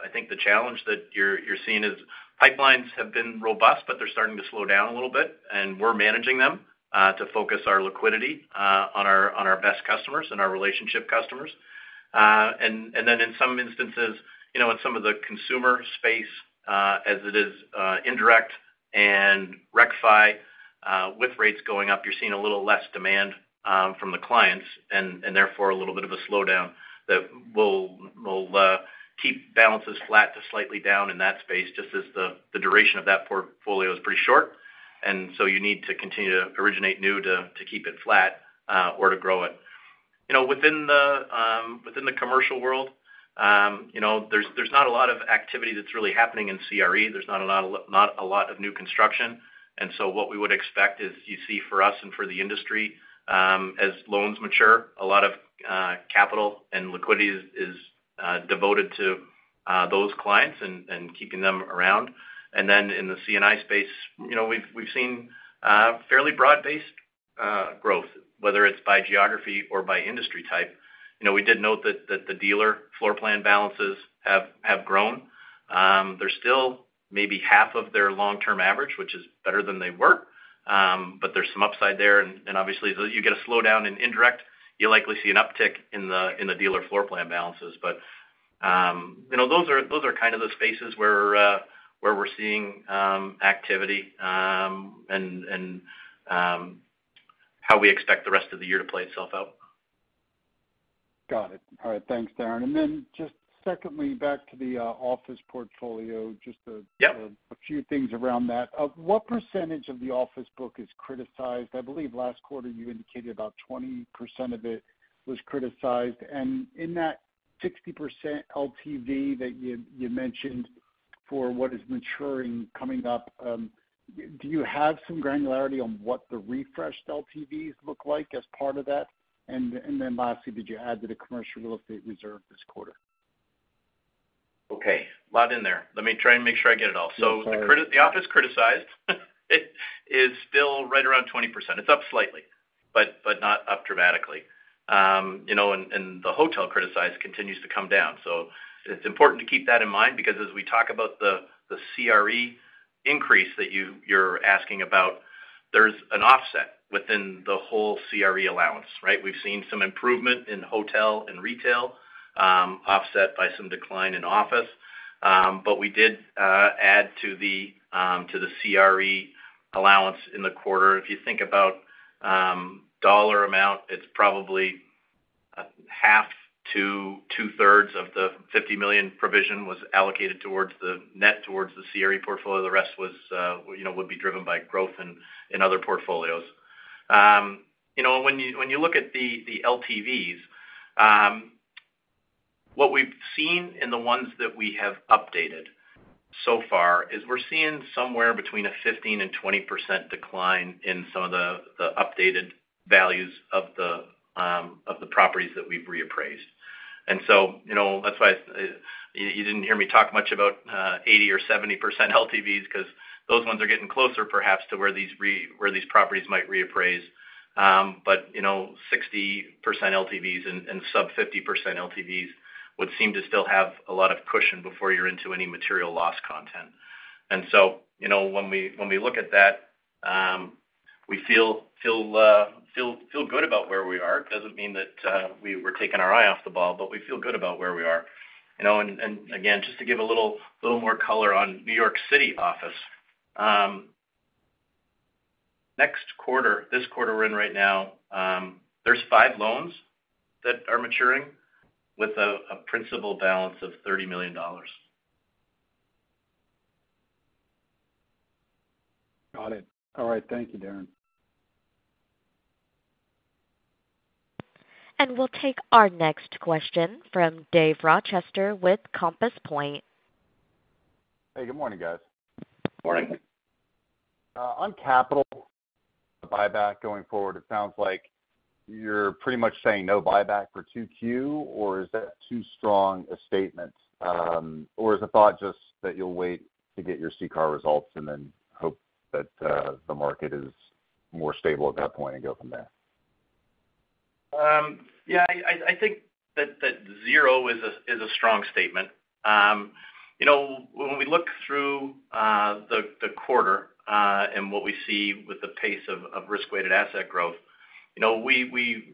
I think the challenge that you're seeing is pipelines have been robust, but they're starting to slow down a little bit, and we're managing them to focus our liquidity on our best customers and our relationship customers. Then in some instances, you know, in some of the consumer space, as it is, indirect and RecFi, with rates going up, you're seeing a little less demand from the clients and therefore a little bit of a slowdown that will keep balances flat to slightly down in that space, just as the duration of that portfolio is pretty short. You need to continue to originate new to keep it flat, or to grow it. You know, within the, within the commercial world, you know, there's not a lot of activity that's really happening in CRE. There's not a lot of new construction. What we would expect is you see for us and for the industry, as loans mature, a lot of capital and liquidity is devoted to those clients and keeping them around. In the C&I space, you know, we've seen fairly broad-based growth, whether it's by geography or by industry type. You know, we did note that the dealer floor plan balances have grown. They're still maybe half of their long-term average, which is better than they were. There's some upside there. Obviously, as you get a slowdown in indirect, you'll likely see an uptick in the dealer floor plan balances. You know, those are kind of the spaces where we're seeing activity, and how we expect the rest of the year to play itself out.
Got it. All right. Thanks, Darren. Just secondly, back to the office portfolio.
Yep.
A few things around that. Of what percentage of the office book is criticized? I believe last quarter you indicated about 20% of it was criticized. In that 60% LTV that you mentioned for what is maturing coming up, do you have some granularity on what the refreshed LTVs look like as part of that? Then lastly, did you add to the commercial real estate reserve this quarter?
Okay. A lot in there. Let me try and make sure I get it all.
I'm sorry.
The office criticized is still right around 20%. It's up slightly, but not up dramatically. You know, and the hotel criticized continues to come down. It's important to keep that in mind because as we talk about the CRE increase that you're asking about, there's an offset within the whole CRE allowance, right? We've seen some improvement in hotel and retail, offset by some decline in office. We did add to the CRE allowance in the quarter. If you think about dollar amount, it's probably half to two-thirds of the $50 million provision was allocated towards the CRE portfolio. The rest was, you know, would be driven by growth in other portfolios. You know, when you, when you look at the LTVs, what we've seen in the ones that we have updated so far is we're seeing somewhere between a 15% and 20% decline in some of the updated values of the properties that we've reappraised. You know, that's why you didn't hear me talk much about 80% or 70% LTVs because those ones are getting closer perhaps to where these properties might reappraise. But, you know, 60% LTVs and sub 50% LTVs would seem to still have a lot of cushion before you're into any material loss content. You know, when we, when we look at that, we feel good about where we are. It doesn't mean that we were taking our eye off the ball, but we feel good about where we are. You know, again, just to give a little more color on New York City office. Next quarter, this quarter we're in right now, there's five loans that are maturing with a principal balance of $30 million.
Got it. All right. Thank you, Darren.
We'll take our next question from Dave Rochester with Compass Point.
Hey, good morning, guys.
Morning.
On capital buyback going forward, it sounds like you're pretty much saying no buyback for 2Q, or is that too strong a statement? Or is the thought just that you'll wait to get your CCAR results and then hope that the market is more stable at that point and go from there?
Yeah, I think that zero is a strong statement. You know, when we look through the quarter, and what we see with the pace of risk-weighted asset growth, you know, we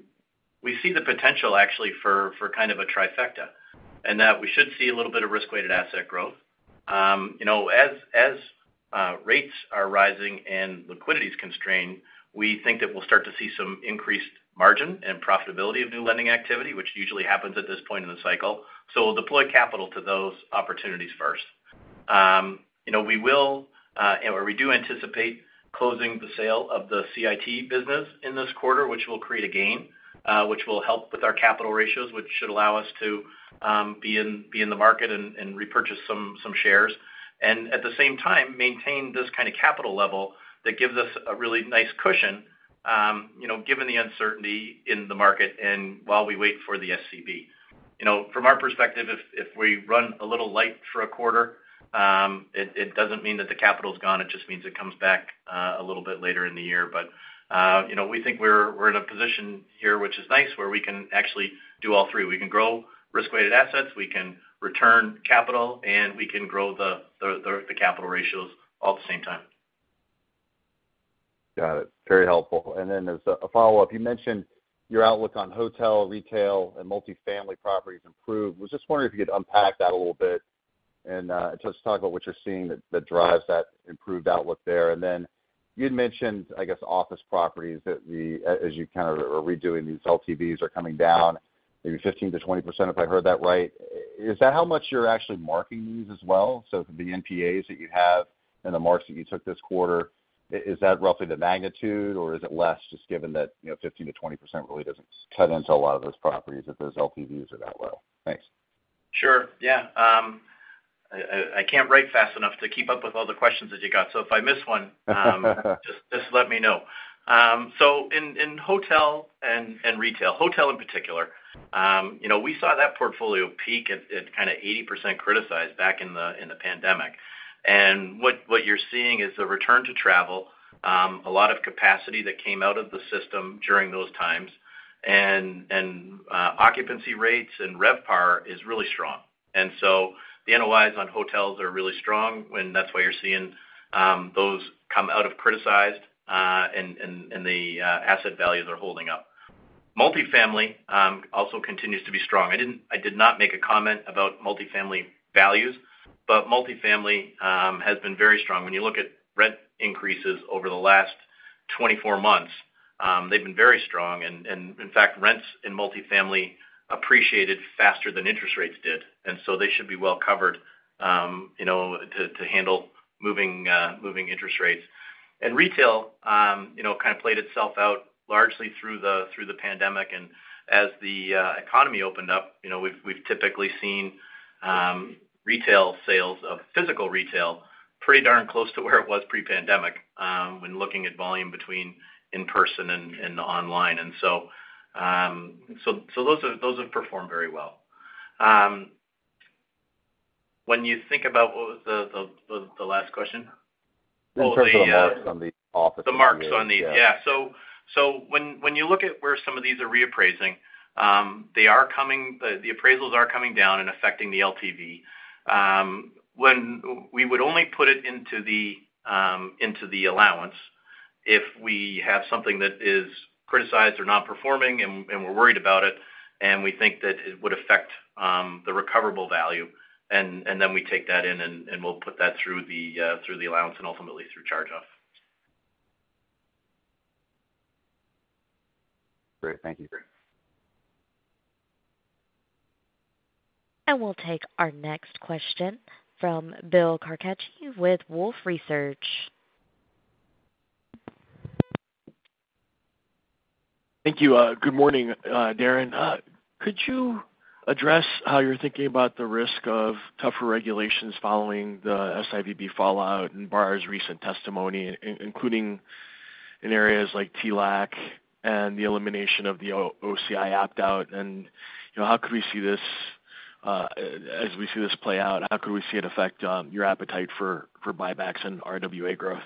see the potential actually for kind of a trifecta in that we should see a little bit of risk-weighted asset growth. You know, as rates are rising and liquidity is constrained, we think that we'll start to see some increased margin and profitability of new lending activity, which usually happens at this point in the cycle. We'll deploy capital to those opportunities first. You know, we do anticipate closing the sale of the CIT business in this quarter, which will create a gain, which will help with our capital ratios, which should allow us to be in the market and repurchase some shares. At the same time, maintain this kind of capital level that gives us a really nice cushion, you know, given the uncertainty in the market and while we wait for the SCB. You know, from our perspective, if we run a little light for a quarter, it doesn't mean that the capital's gone. It just means it comes back a little bit later in the year. You know, we think we're in a position here which is nice, where we can actually do all three. We can grow risk-weighted assets, we can return capital, and we can grow the capital ratios all at the same time.
Got it. Very helpful. As a follow-up, you mentioned your outlook on hotel, retail and multifamily properties improved. Was just wondering if you could unpack that a little bit and just talk about what you're seeing that drives that improved outlook there. You'd mentioned, I guess, office properties that as you kind of are redoing these LTVs are coming down maybe 15%-20%, if I heard that right. Is that how much you're actually marking these as well? The NPAs that you have and the marks that you took this quarter, is that roughly the magnitude or is it less just given that, you know, 15%-20% really doesn't cut into a lot of those properties if those LTVs are that low? Thanks.
Sure. Yeah. I can't write fast enough to keep up with all the questions that you got. If I miss one, just let me know. In hotel and retail, hotel in particular, we saw that portfolio peak at kind of 80% criticized back in the pandemic. What you're seeing is the return to travel, a lot of capacity that came out of the system during those times and occupancy rates and RevPAR is really strong. The NOIs on hotels are really strong, and that's why you're seeing those come out of criticized, and the asset values are holding up. Multifamily also continues to be strong. I did not make a comment about multifamily values, but multifamily has been very strong. When you look at rent increases over the last 24 months, they've been very strong. In fact, rents in multifamily appreciated faster than interest rates did. They should be well covered, you know, to handle moving interest rates. Retail, you know, kind of played itself out largely through the pandemic. As the economy opened up, you know, we've typically seen retail sales of physical retail pretty darn close to where it was pre-pandemic when looking at volume between in person and online. Those have performed very well. When you think about what was the last question?
In terms of the marks on the office.
The marks on the. Yeah. Yeah. When you look at where some of these are reappraising, the appraisals are coming down and affecting the LTV. We would only put it into the allowance if we have something that is criticized or not performing and we're worried about it, and we think that it would affect the recoverable value. We take that in and we'll put that through the allowance and ultimately through charge-off.
Great. Thank you.
We'll take our next question from Bill Carcache with Wolfe Research.
Thank you. Good morning, Darren. Could you address how you're thinking about the risk of tougher regulations following the SVB fallout and Barr's recent testimony, including in areas like TLAC and the elimination of the AOCI opt-out? You know, how could we see this, as we see this play out, how could we see it affect, your appetite for buybacks and RWA growth?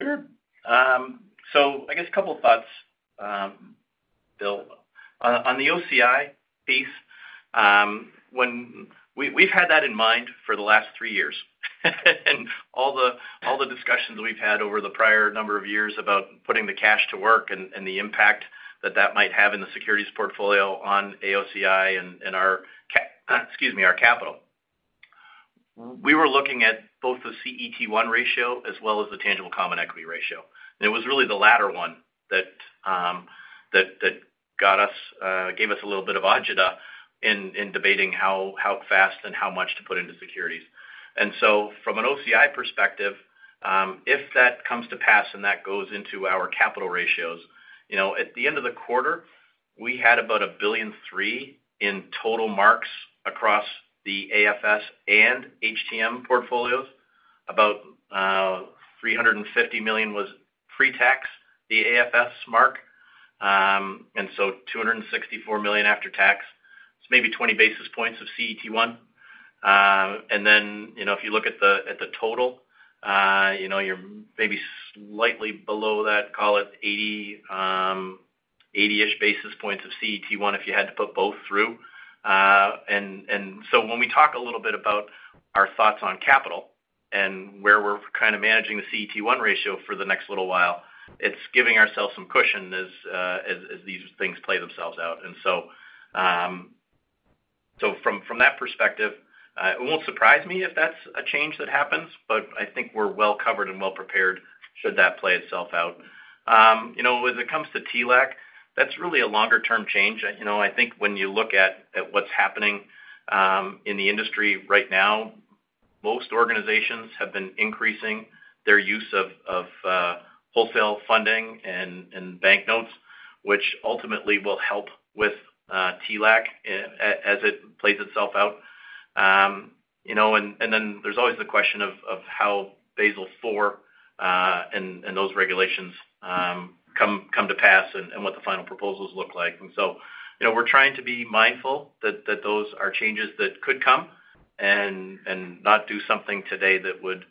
Sure. I guess a couple thoughts, Bill. On the OCI piece, we've had that in mind for the last three years. All the discussions we've had over the prior number of years about putting the cash to work and the impact that that might have in the securities portfolio on AOCI and our capital. We were looking at both the CET1 ratio as well as the tangible common equity ratio. It was really the latter one that got us gave us a little bit of agita in debating how fast and how much to put into securities. From an OCI perspective, if that comes to pass and that goes into our capital ratios, you know, at the end of the quarter, we had about $1.3 billion in total marks across the AFS and HTM portfolios. About $350 million was pre-tax, the AFS mark. $264 million after tax. It's maybe 20 basis points of CET1. Then, you know, if you look at the, at the total, you know, you're maybe slightly below that, call it 80-ish basis points of CET1 if you had to put both through. When we talk a little bit about our thoughts on capital and where we're kind of managing the CET1 ratio for the next little while, it's giving ourselves some cushion as these things play themselves out. From that perspective, it won't surprise me if that's a change that happens, but I think we're well covered and well prepared should that play itself out. You know, when it comes to TLAC, that's really a longer-term change. You know, I think when you look at what's happening in the industry right now, most organizations have been increasing their use of wholesale funding and bank notes, which ultimately will help with TLAC as it plays itself out. You know, then there's always the question of how Basel IV and those regulations come to pass and what the final proposals look like. You know, we're trying to be mindful that those are changes that could come and not do something today that would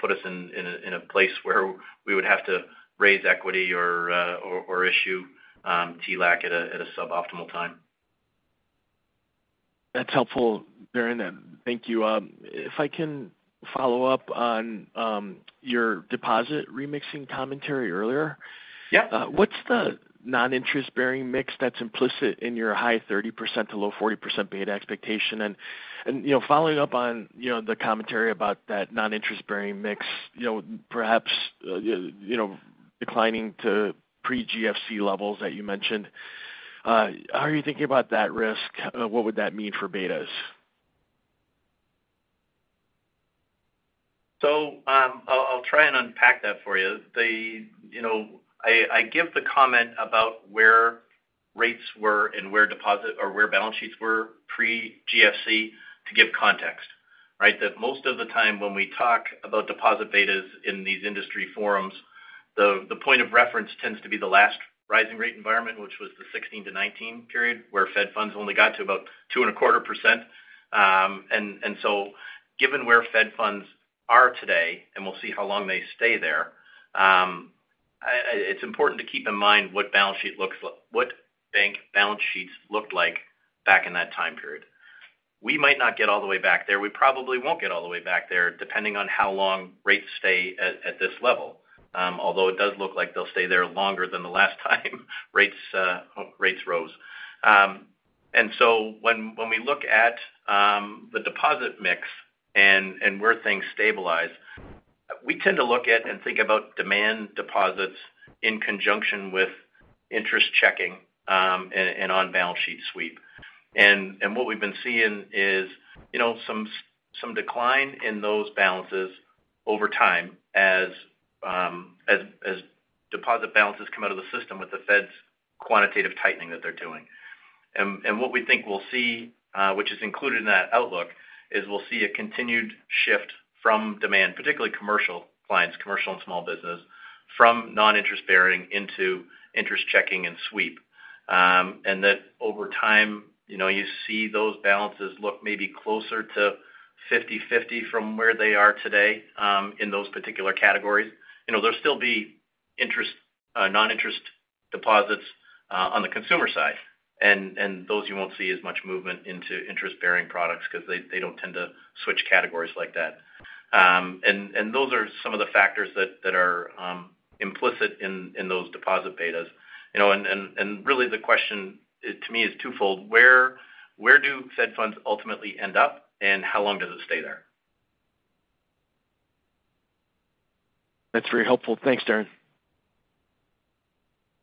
put us in a place where we would have to raise equity or issue TLAC at a suboptimal time.
That's helpful, Darren. Thank you. If I can follow up on your deposit remixing commentary earlier?
Yeah.
What's the non-interest bearing mix that's implicit in your high 30% to low 40% beta expectation? You know, following up on, you know, the commentary about that non-interest bearing mix, you know, perhaps, you know, declining to pre-GFC levels that you mentioned, how are you thinking about that risk? What would that mean for betas?
I'll try and unpack that for you. You know, I give the comment about where rates were and where deposit or where balance sheets were pre-GFC to give context, right? Most of the time when we talk about deposit betas in these industry forums, the point of reference tends to be the last rising rate environment, which was the 16 to 19 period, where Fed funds only got to about 2.25%. Given where Fed funds are today, and we'll see how long they stay there, it's important to keep in mind what balance sheet looks like what bank balance sheets looked like back in that time period. We might not get all the way back there. We probably won't get all the way back there, depending on how long rates stay at this level. Although it does look like they'll stay there longer than the last time rates rose. When we look at the deposit mix and where things stabilize, we tend to look at and think about demand deposits in conjunction with interest checking and on balance sheet sweep. What we've been seeing is, you know, some decline in those balances over time as deposit balances come out of the system with the Fed's quantitative tightening that they're doing. What we think we'll see, which is included in that outlook, is we'll see a continued shift from demand, particularly commercial clients, commercial and small business, from non-interest bearing into interest checking and sweep. That over time, you know, you see those balances look maybe closer to 50/50 from where they are today, in those particular categories. You know, there'll still be non-interest deposits on the consumer side. Those you won't see as much movement into interest-bearing products because they don't tend to switch categories like that. Those are some of the factors that are implicit in those deposit betas. You know, really, the question to me is twofold. Where do Fed funds ultimately end up, and how long does it stay there?
That's very helpful. Thanks, Darren.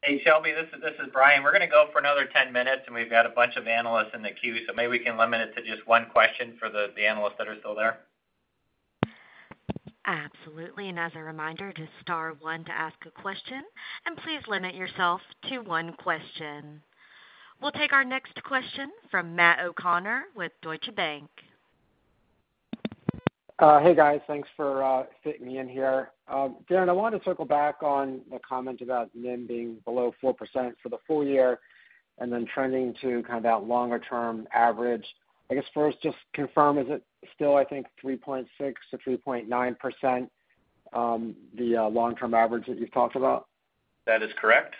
Hey, Shelby, this is Brian. We're going to go for another 10 minutes, and we've got a bunch of analysts in the queue, so maybe we can limit it to just one question for the analysts that are still there.
Absolutely. As a reminder, just star one to ask a question, and please limit yourself to 1 question. We'll take our next question from Matt O'Connor with Deutsche Bank.
Hey, guys. Thanks for fitting me in here. Darren, I wanted to circle back on the comment about NIM being below 4% for the full year and then trending to kind of that longer term average. I guess first, just confirm, is it still, I think, 3.6%-3.9%, the long-term average that you've talked about?
That is correct.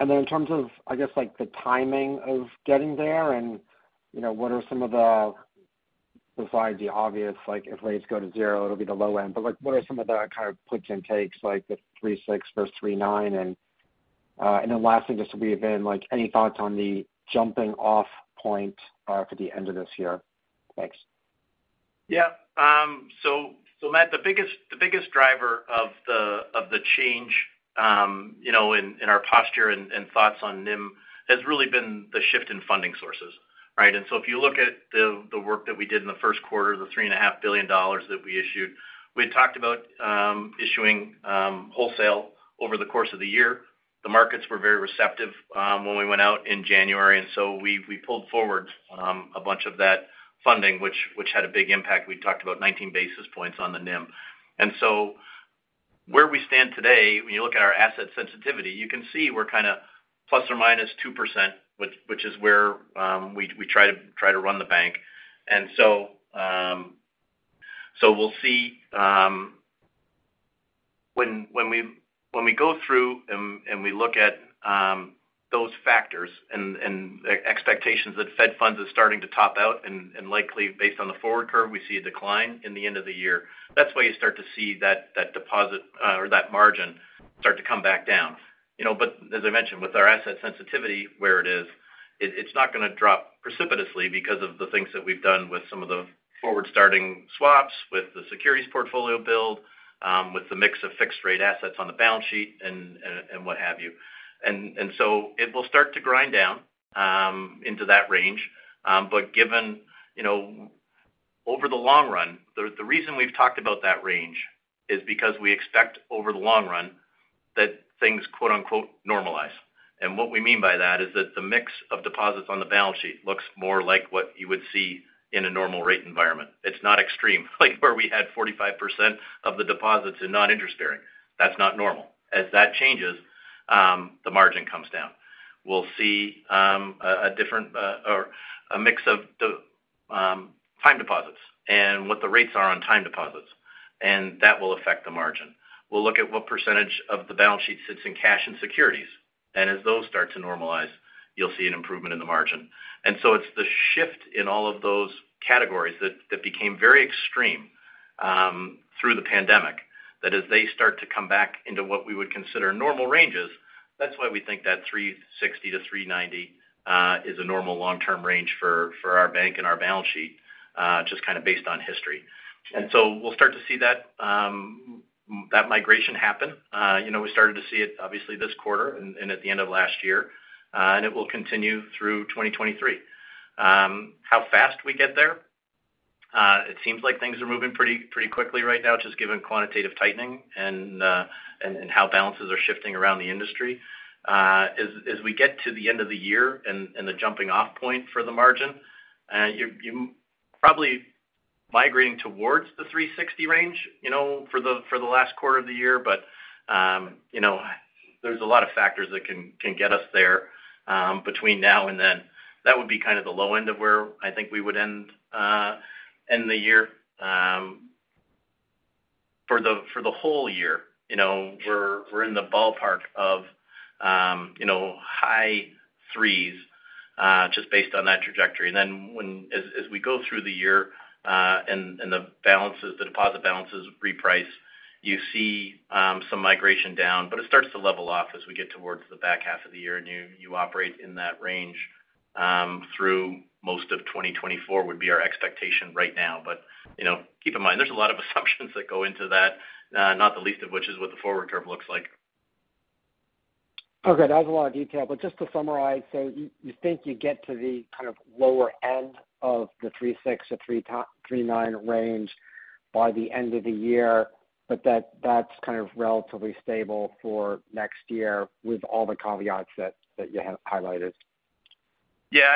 In terms of, I guess like the timing of getting there and, you know, what are some of the, besides the obvious, like if rates go to zero, it'll be the low end. Like, what are some of the kind of puts and takes like the 3.6% versus 3.9%? Lastly, just to weave in, like any thoughts on the jumping off point for the end of this year? Thanks.
Yeah. Matt, the biggest driver of the change in our posture and thoughts on NIM has really been the shift in funding sources, right? If you look at the work that we did in the first quarter, the $3.5 billion that we issued, we had talked about issuing wholesale over the course of the year. The markets were very receptive when we went out in January, we pulled forward a bunch of that funding, which had a big impact. We talked about 19 basis points on the NIM. Where we stand today, when you look at our asset sensitivity, you can see we're kind of plus or minus 2%, which is where we try to run the bank. We'll see when we go through and we look at those factors and expectations that Fed funds is starting to top out and likely based on the forward curve, we see a decline in the end of the year. That's why you start to see that deposit or that margin start to come back down. You know, but as I mentioned, with our asset sensitivity where it is, it's not gonna drop precipitously because of the things that we've done with some of the forward-starting swaps, with the securities portfolio build, with the mix of fixed rate assets on the balance sheet and what have you. So it will start to grind down into that range. Given, you know, over the long run, the reason we've talked about that range is because we expect over the long run that things quote-unquote "normalize." What we mean by that is that the mix of deposits on the balance sheet looks more like what you would see in a normal rate environment. It's not extreme, like where we had 45% of the deposits in non-interest bearing. That's not normal. As that changes, the margin comes down. We'll see a mix of the time deposits and what the rates are on time deposits, and that will affect the margin. We'll look at what percentage of the balance sheet sits in cash and securities, and as those start to normalize, you'll see an improvement in the margin. It's the shift in all of those categories that became very extreme through the pandemic, that as they start to come back into what we would consider normal ranges, that's why we think that 360-390 is a normal long-term range for our bank and our balance sheet, just kind of based on history. We'll start to see that migration happen. You know, we started to see it obviously this quarter and at the end of last year. It will continue through 2023. How fast we get there, it seems like things are moving pretty quickly right now, just given quantitative tightening and how balances are shifting around the industry. As we get to the end of the year and the jumping off point for the margin, you probably migrating towards the 360 range, you know, for the last quarter of the year. You know, there's a lot of factors that can get us there, between now and then. That would be kind of the low end of where I think we would end the year. For the whole year, you know, we're in the ballpark of, you know, high threes, just based on that trajectory. As we go through the year, and the balances, the deposit balances reprice, you see, some migration down, but it starts to level off as we get towards the back half of the year, and you operate in that range, through most of 2024 would be our expectation right now. You know, keep in mind, there's a lot of assumptions that go into that, not the least of which is what the forward curve looks like.
Okay. That was a lot of detail. Just to summarize, you think you get to the kind of lower end of the 3.6-3.9 range by the end of the year, that's kind of relatively stable for next year with all the caveats that you have highlighted.
Yeah,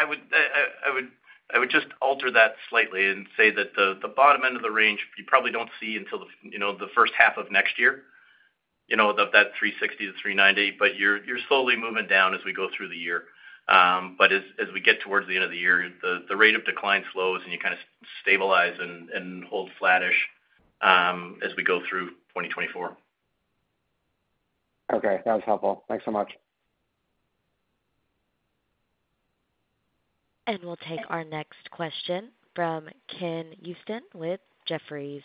I would just alter that slightly and say that the bottom end of the range, you probably don't see until you know, the first half of next year, you know, that 360 to 390. You're slowly moving down as we go through the year. As we get towards the end of the year, the rate of decline slows, and you kind of stabilize and hold flattish as we go through 2024.
Okay. That was helpful. Thanks so much.
We'll take our next question from Ken Usdin with Jefferies.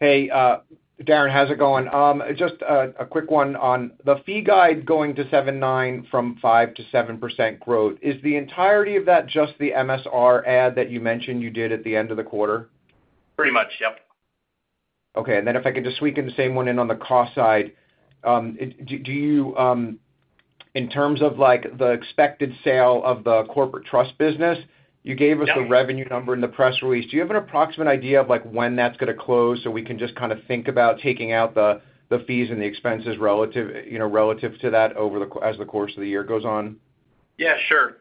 Hey, Darren, how's it going? Just a quick one on the fee guide going to 7.9% from 5%-7% growth. Is the entirety of that just the MSR add that you mentioned you did at the end of the quarter?
Pretty much, yep.
Okay. if I could just squeak in the same one in on the cost side. Do you, in terms of like the expected sale of the corporate trust business.
Yeah.
You gave us the revenue number in the press release. Do you have an approximate idea of like when that's gonna close so we can just kind of think about taking out the fees and the expenses relative, you know, relative to that as the course of the year goes on?
Yeah, sure.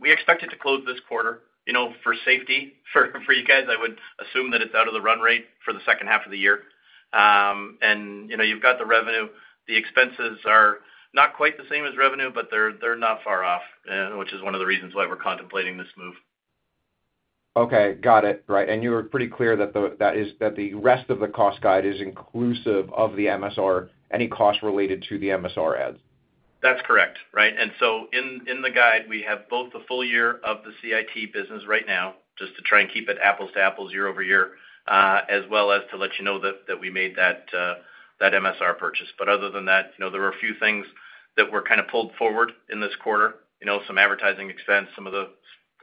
We expect it to close this quarter. You know, for safety for you guys, I would assume that it's out of the run rate for the second half of the year. You know, you've got the revenue. The expenses are not quite the same as revenue, but they're not far off, which is one of the reasons why we're contemplating this move.
Okay. Got it. Right. You were pretty clear that is, that the rest of the cost guide is inclusive of the MSR, any cost related to the MSR adds.
That's correct. Right. In the guide, we have both the full year of the CIT business right now just to try and keep it apples to apples year-over-year, as well as to let you know that we made that MSR purchase. Other than that, you know, there were a few things that were kind of pulled forward in this quarter, you know, some advertising expense, some of the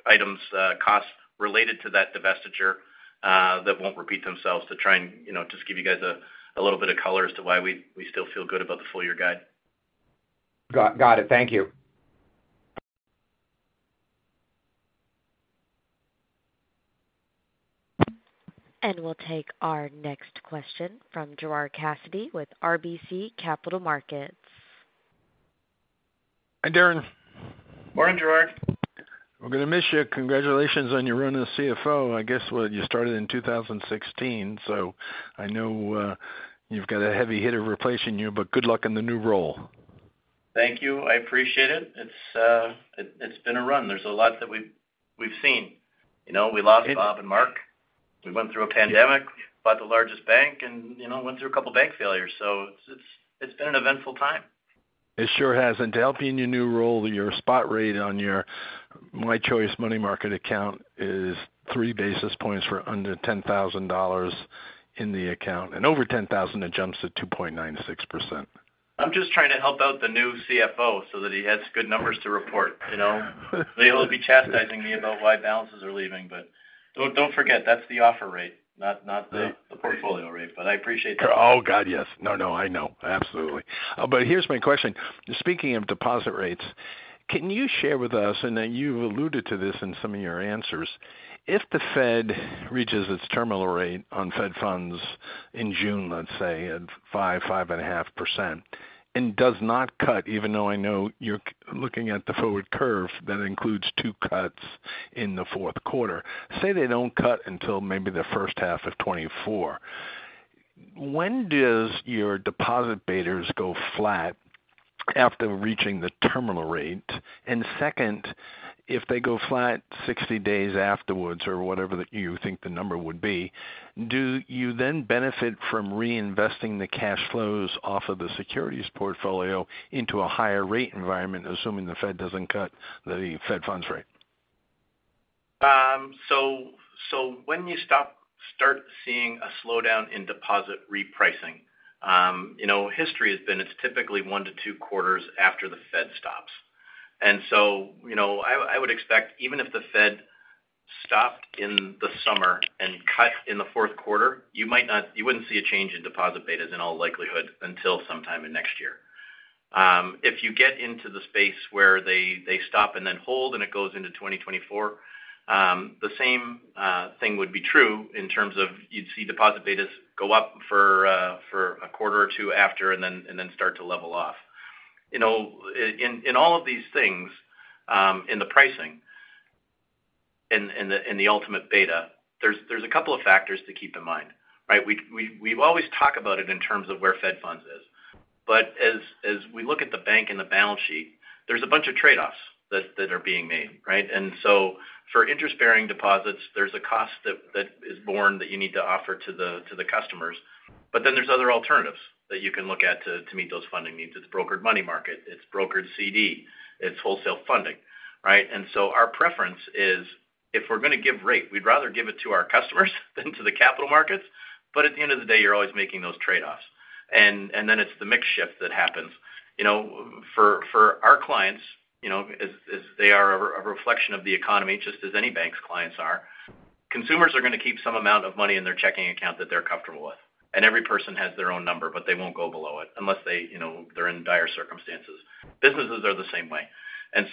items, costs related to that divestiture, that won't repeat themselves to try and, you know, just give you guys a little bit of color as to why we still feel good about the full year guide.
Got it. Thank you.
We'll take our next question from Gerard Cassidy with RBC Capital Markets.
Hi, Darren.
Morning, Gerard.
We're gonna miss you. Congratulations on your run as CFO. I guess, what, you started in 2016, so I know, you've got a heavy hitter replacing you, but good luck in the new role.
Thank you. I appreciate it. It's been a run. There's a lot that we've seen. You know, we lost Bob and Mark. We went through a pandemic. We bought the largest bank and, you know, went through a couple bank failures. It's been an eventful time.
It sure has. To help you in your new role, your spot rate on your MyChoice Money Market account is three basis points for under $10,000 in the account. Over $10,000, it jumps to 2.96%.
I'm just trying to help out the new CFO so that he has good numbers to report, you know. They will be chastising me about why balances are leaving, but don't forget, that's the offer rate, not the portfolio rate, but I appreciate that.
Oh, God, yes. No, no, I know. Absolutely. Here's my question. Speaking of deposit rates, can you share with us, and then you alluded to this in some of your answers, if the Fed reaches its terminal rate on Fed funds in June, let's say at 5%, 5.5%, and does not cut, even though I know you're looking at the forward curve, that includes two cuts in the fourth quarter. Say they don't cut until maybe the first half of 2024. When does your deposit betas go flat after reaching the terminal rate? Second, if they go flat 60 days afterwards or whatever that you think the number would be, do you then benefit from reinvesting the cash flows off of the securities portfolio into a higher rate environment, assuming the Fed doesn't cut the Fed funds rate?
When you start seeing a slowdown in deposit repricing, you know, history has been it's typically 1 to 2 quarters after the Fed stops. You know, I would expect even if the Fed stopped in the summer and cut in the fourth quarter, you wouldn't see a change in deposit betas in all likelihood until sometime in next year. If you get into the space where they stop and then hold and it goes into 2024, the same thing would be true in terms of you'd see deposit betas go up for a quarter or 2 after and then start to level off. You know, in all of these things, in the pricing and the ultimate beta, there's a couple of factors to keep in mind, right? We've always talk about it in terms of where Fed funds is. As we look at the bank and the balance sheet, there's a bunch of trade-offs that are being made, right? For interest-bearing deposits, there's a cost that is borne that you need to offer to the customers. There's other alternatives that you can look at to meet those funding needs. It's brokered money market, it's brokered CD, it's wholesale funding, right? Our preference is if we're gonna give rate, we'd rather give it to our customers than to the capital markets. At the end of the day, you're always making those trade-offs. Then it's the mix shift that happens. You know, for our clients, you know, as they are a reflection of the economy, just as any bank's clients are, consumers are gonna keep some amount of money in their checking account that they're comfortable with. Every person has their own number, but they won't go below it unless they, you know, they're in dire circumstances. Businesses are the same way.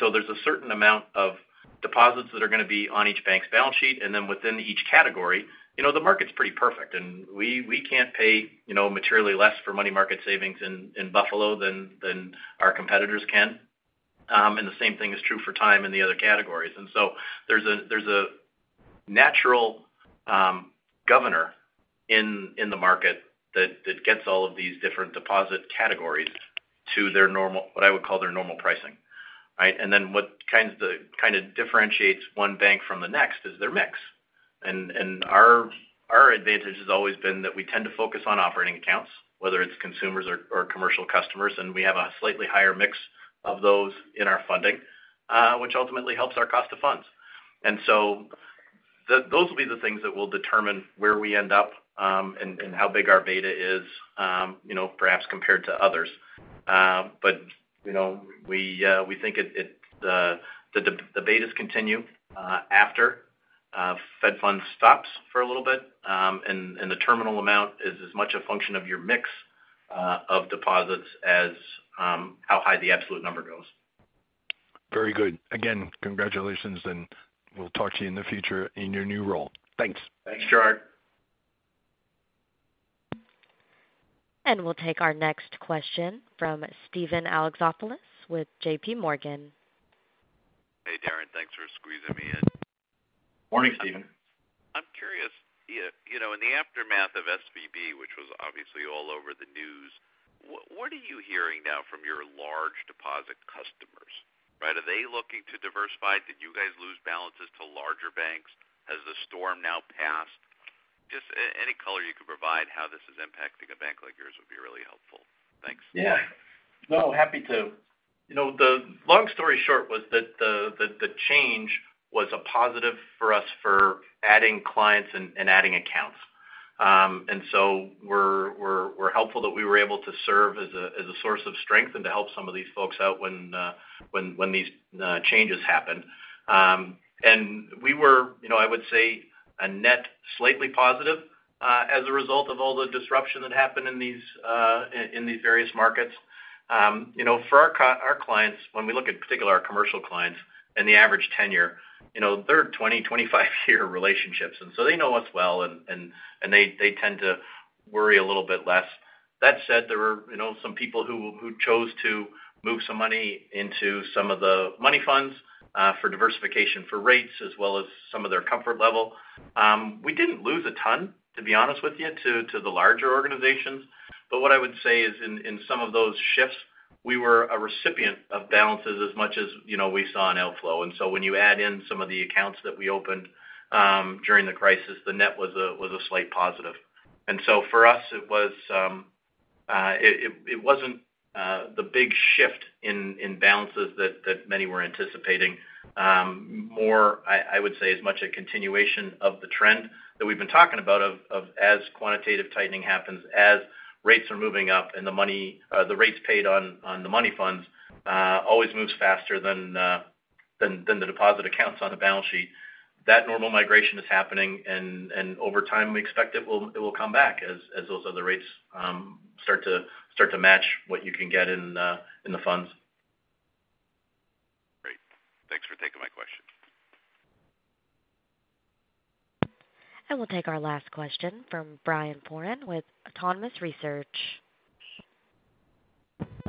So there's a certain amount of deposits that are gonna be on each bank's balance sheet, and then within each category, you know, the market's pretty perfect. We can't pay, you know, materially less for money market savings in Buffalo than our competitors can. The same thing is true for time and the other categories. There's a natural governor in the market that gets all of these different deposit categories to their normal what I would call their normal pricing, right? What kind of differentiates one bank from the next is their mix. Our advantage has always been that we tend to focus on operating accounts, whether it's consumers or commercial customers, and we have a slightly higher mix of those in our funding, which ultimately helps our cost of funds. Those will be the things that will determine where we end up, and how big our beta is, you know, perhaps compared to others. You know, we think the betas continue after Fed funds stops for a little bit. The terminal amount is as much a function of your mix of deposits as how high the absolute number goes.
Very good. Congratulations, and we'll talk to you in the future in your new role. Thanks.
Thanks, Gerard.
We'll take our next question from Steven Alexopoulos with JPMorgan.
Hey, Darren. Thanks for squeezing me in.
Morning, Steven.
I'm curious, you know, in the aftermath of SVB, which was obviously all over the news, what are you hearing now from your large deposit customers, right? Are they looking to diversify? Did you guys lose balances to larger banks? Has the storm now passed? Just any color you could provide how this is impacting a bank like yours would be really helpful. Thanks.
Yeah. No, happy to. You know, the long story short was that the change was a positive for us for adding clients and adding accounts. We're helpful that we were able to serve as a source of strength and to help some of these folks out when these changes happened. We were, you know, I would say a net slightly positive, as a result of all the disruption that happened in these various markets. You know, for our clients, when we look at particular our commercial clients and the average tenure, you know, they're 20-25 year relationships, so they know us well, and they tend to worry a little bit less. That said, there were, you know, some people who chose to move some money into some of the money funds, for diversification for rates as well as some of their comfort level. We didn't lose a ton, to be honest with you, to the larger organizations. What I would say is in some of those shifts, we were a recipient of balances as much as, you know, we saw an outflow. When you add in some of the accounts that we opened, during the crisis, the net was a slight positive. For us, it was. It wasn't the big shift in balances that many were anticipating. More, I would say, as much a continuation of the trend that we've been talking about of as quantitative tightening happens, as rates are moving up and the rates paid on the money funds always moves faster than the deposit accounts on a balance sheet. That normal migration is happening, and over time, we expect it will come back as those other rates start to match what you can get in the funds.
Great. Thanks for taking my question.
We'll take our last question from Brian Foran with Autonomous Research.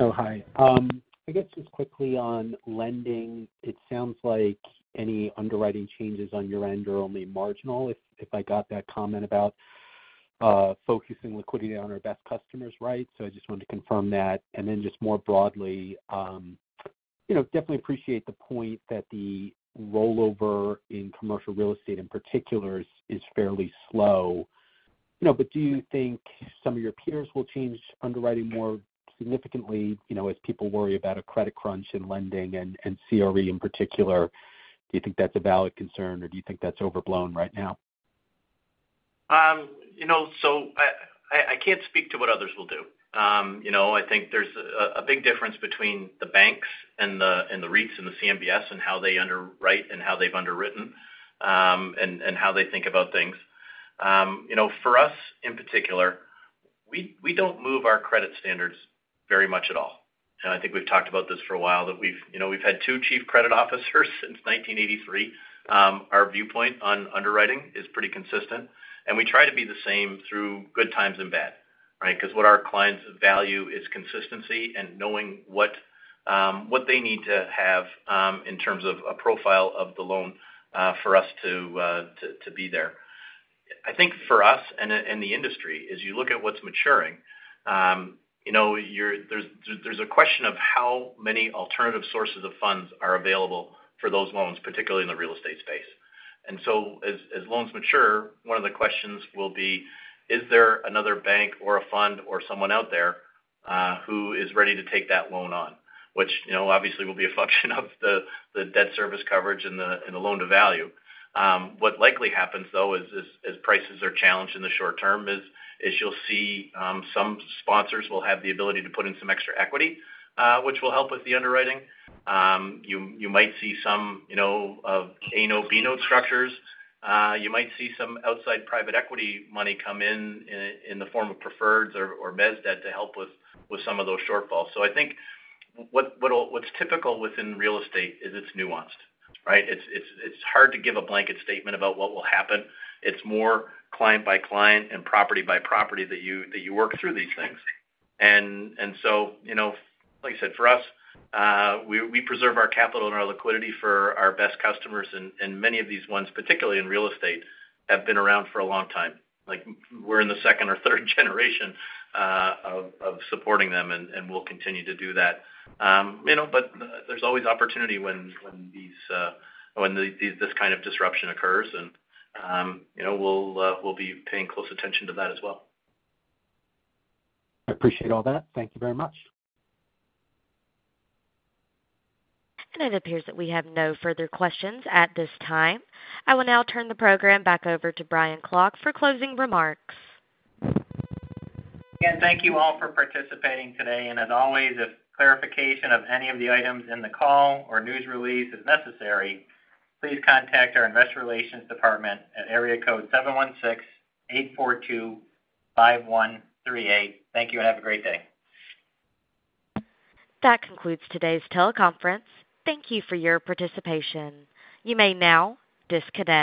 I guess just quickly on lending. It sounds like any underwriting changes on your end are only marginal, if I got that comment about focusing liquidity on our best customers, right? I just wanted to confirm that. Then just more broadly, you know, definitely appreciate the point that the rollover in commercial real estate in particular is fairly slow. You know, do you think some of your peers will change underwriting more significantly, you know, as people worry about a credit crunch in lending and CRE in particular? Do you think that's a valid concern, or do you think that's overblown right now?
You know, I can't speak to what others will do. You know, I think there's a big difference between the banks and the, and the REITs and the CMBS and how they underwrite and how they've underwritten, and how they think about things. You know, for us, in particular, we don't move our credit standards very much at all. I think we've talked about this for a while, that we've, you know, we've had 2 chief credit officers since 1983. Our viewpoint on underwriting is pretty consistent, and we try to be the same through good times and bad, right? 'Cause what our clients value is consistency and knowing what they need to have, in terms of a profile of the loan, for us to, to be there. I think for us and the, and the industry, as you look at what's maturing, you know, There's a question of how many alternative sources of funds are available for those loans, particularly in the real estate space. As loans mature, one of the questions will be, is there another bank or a fund or someone out there who is ready to take that loan on? Which, you know, obviously will be a function of the debt service coverage and the, and the loan to value. What likely happens, though, as prices are challenged in the short term is you'll see some sponsors will have the ability to put in some extra equity, which will help with the underwriting. You might see some, you know, A note, B note structures. You might see some outside private equity money come in the form of preferreds or mezz debt to help with some of those shortfalls. I think what's typical within real estate is it's nuanced, right? It's hard to give a blanket statement about what will happen. It's more client by client and property by property that you work through these things. You know, like I said, for us, we preserve our capital and our liquidity for our best customers, and many of these ones, particularly in real estate, have been around for a long time. Like we're in the second or third generation of supporting them, and we'll continue to do that. You know, there's always opportunity when these, this kind of disruption occurs and, you know, we'll be paying close attention to that as well.
I appreciate all that. Thank you very much.
It appears that we have no further questions at this time. I will now turn the program back over to Brian Klock for closing remarks.
Again, thank you all for participating today. As always, if clarification of any of the items in the call or news release is necessary, please contact our investor relations department at area code 716-842-5138. Thank you, and have a great day.
That concludes today's teleconference. Thank you for your participation. You may now disconnect.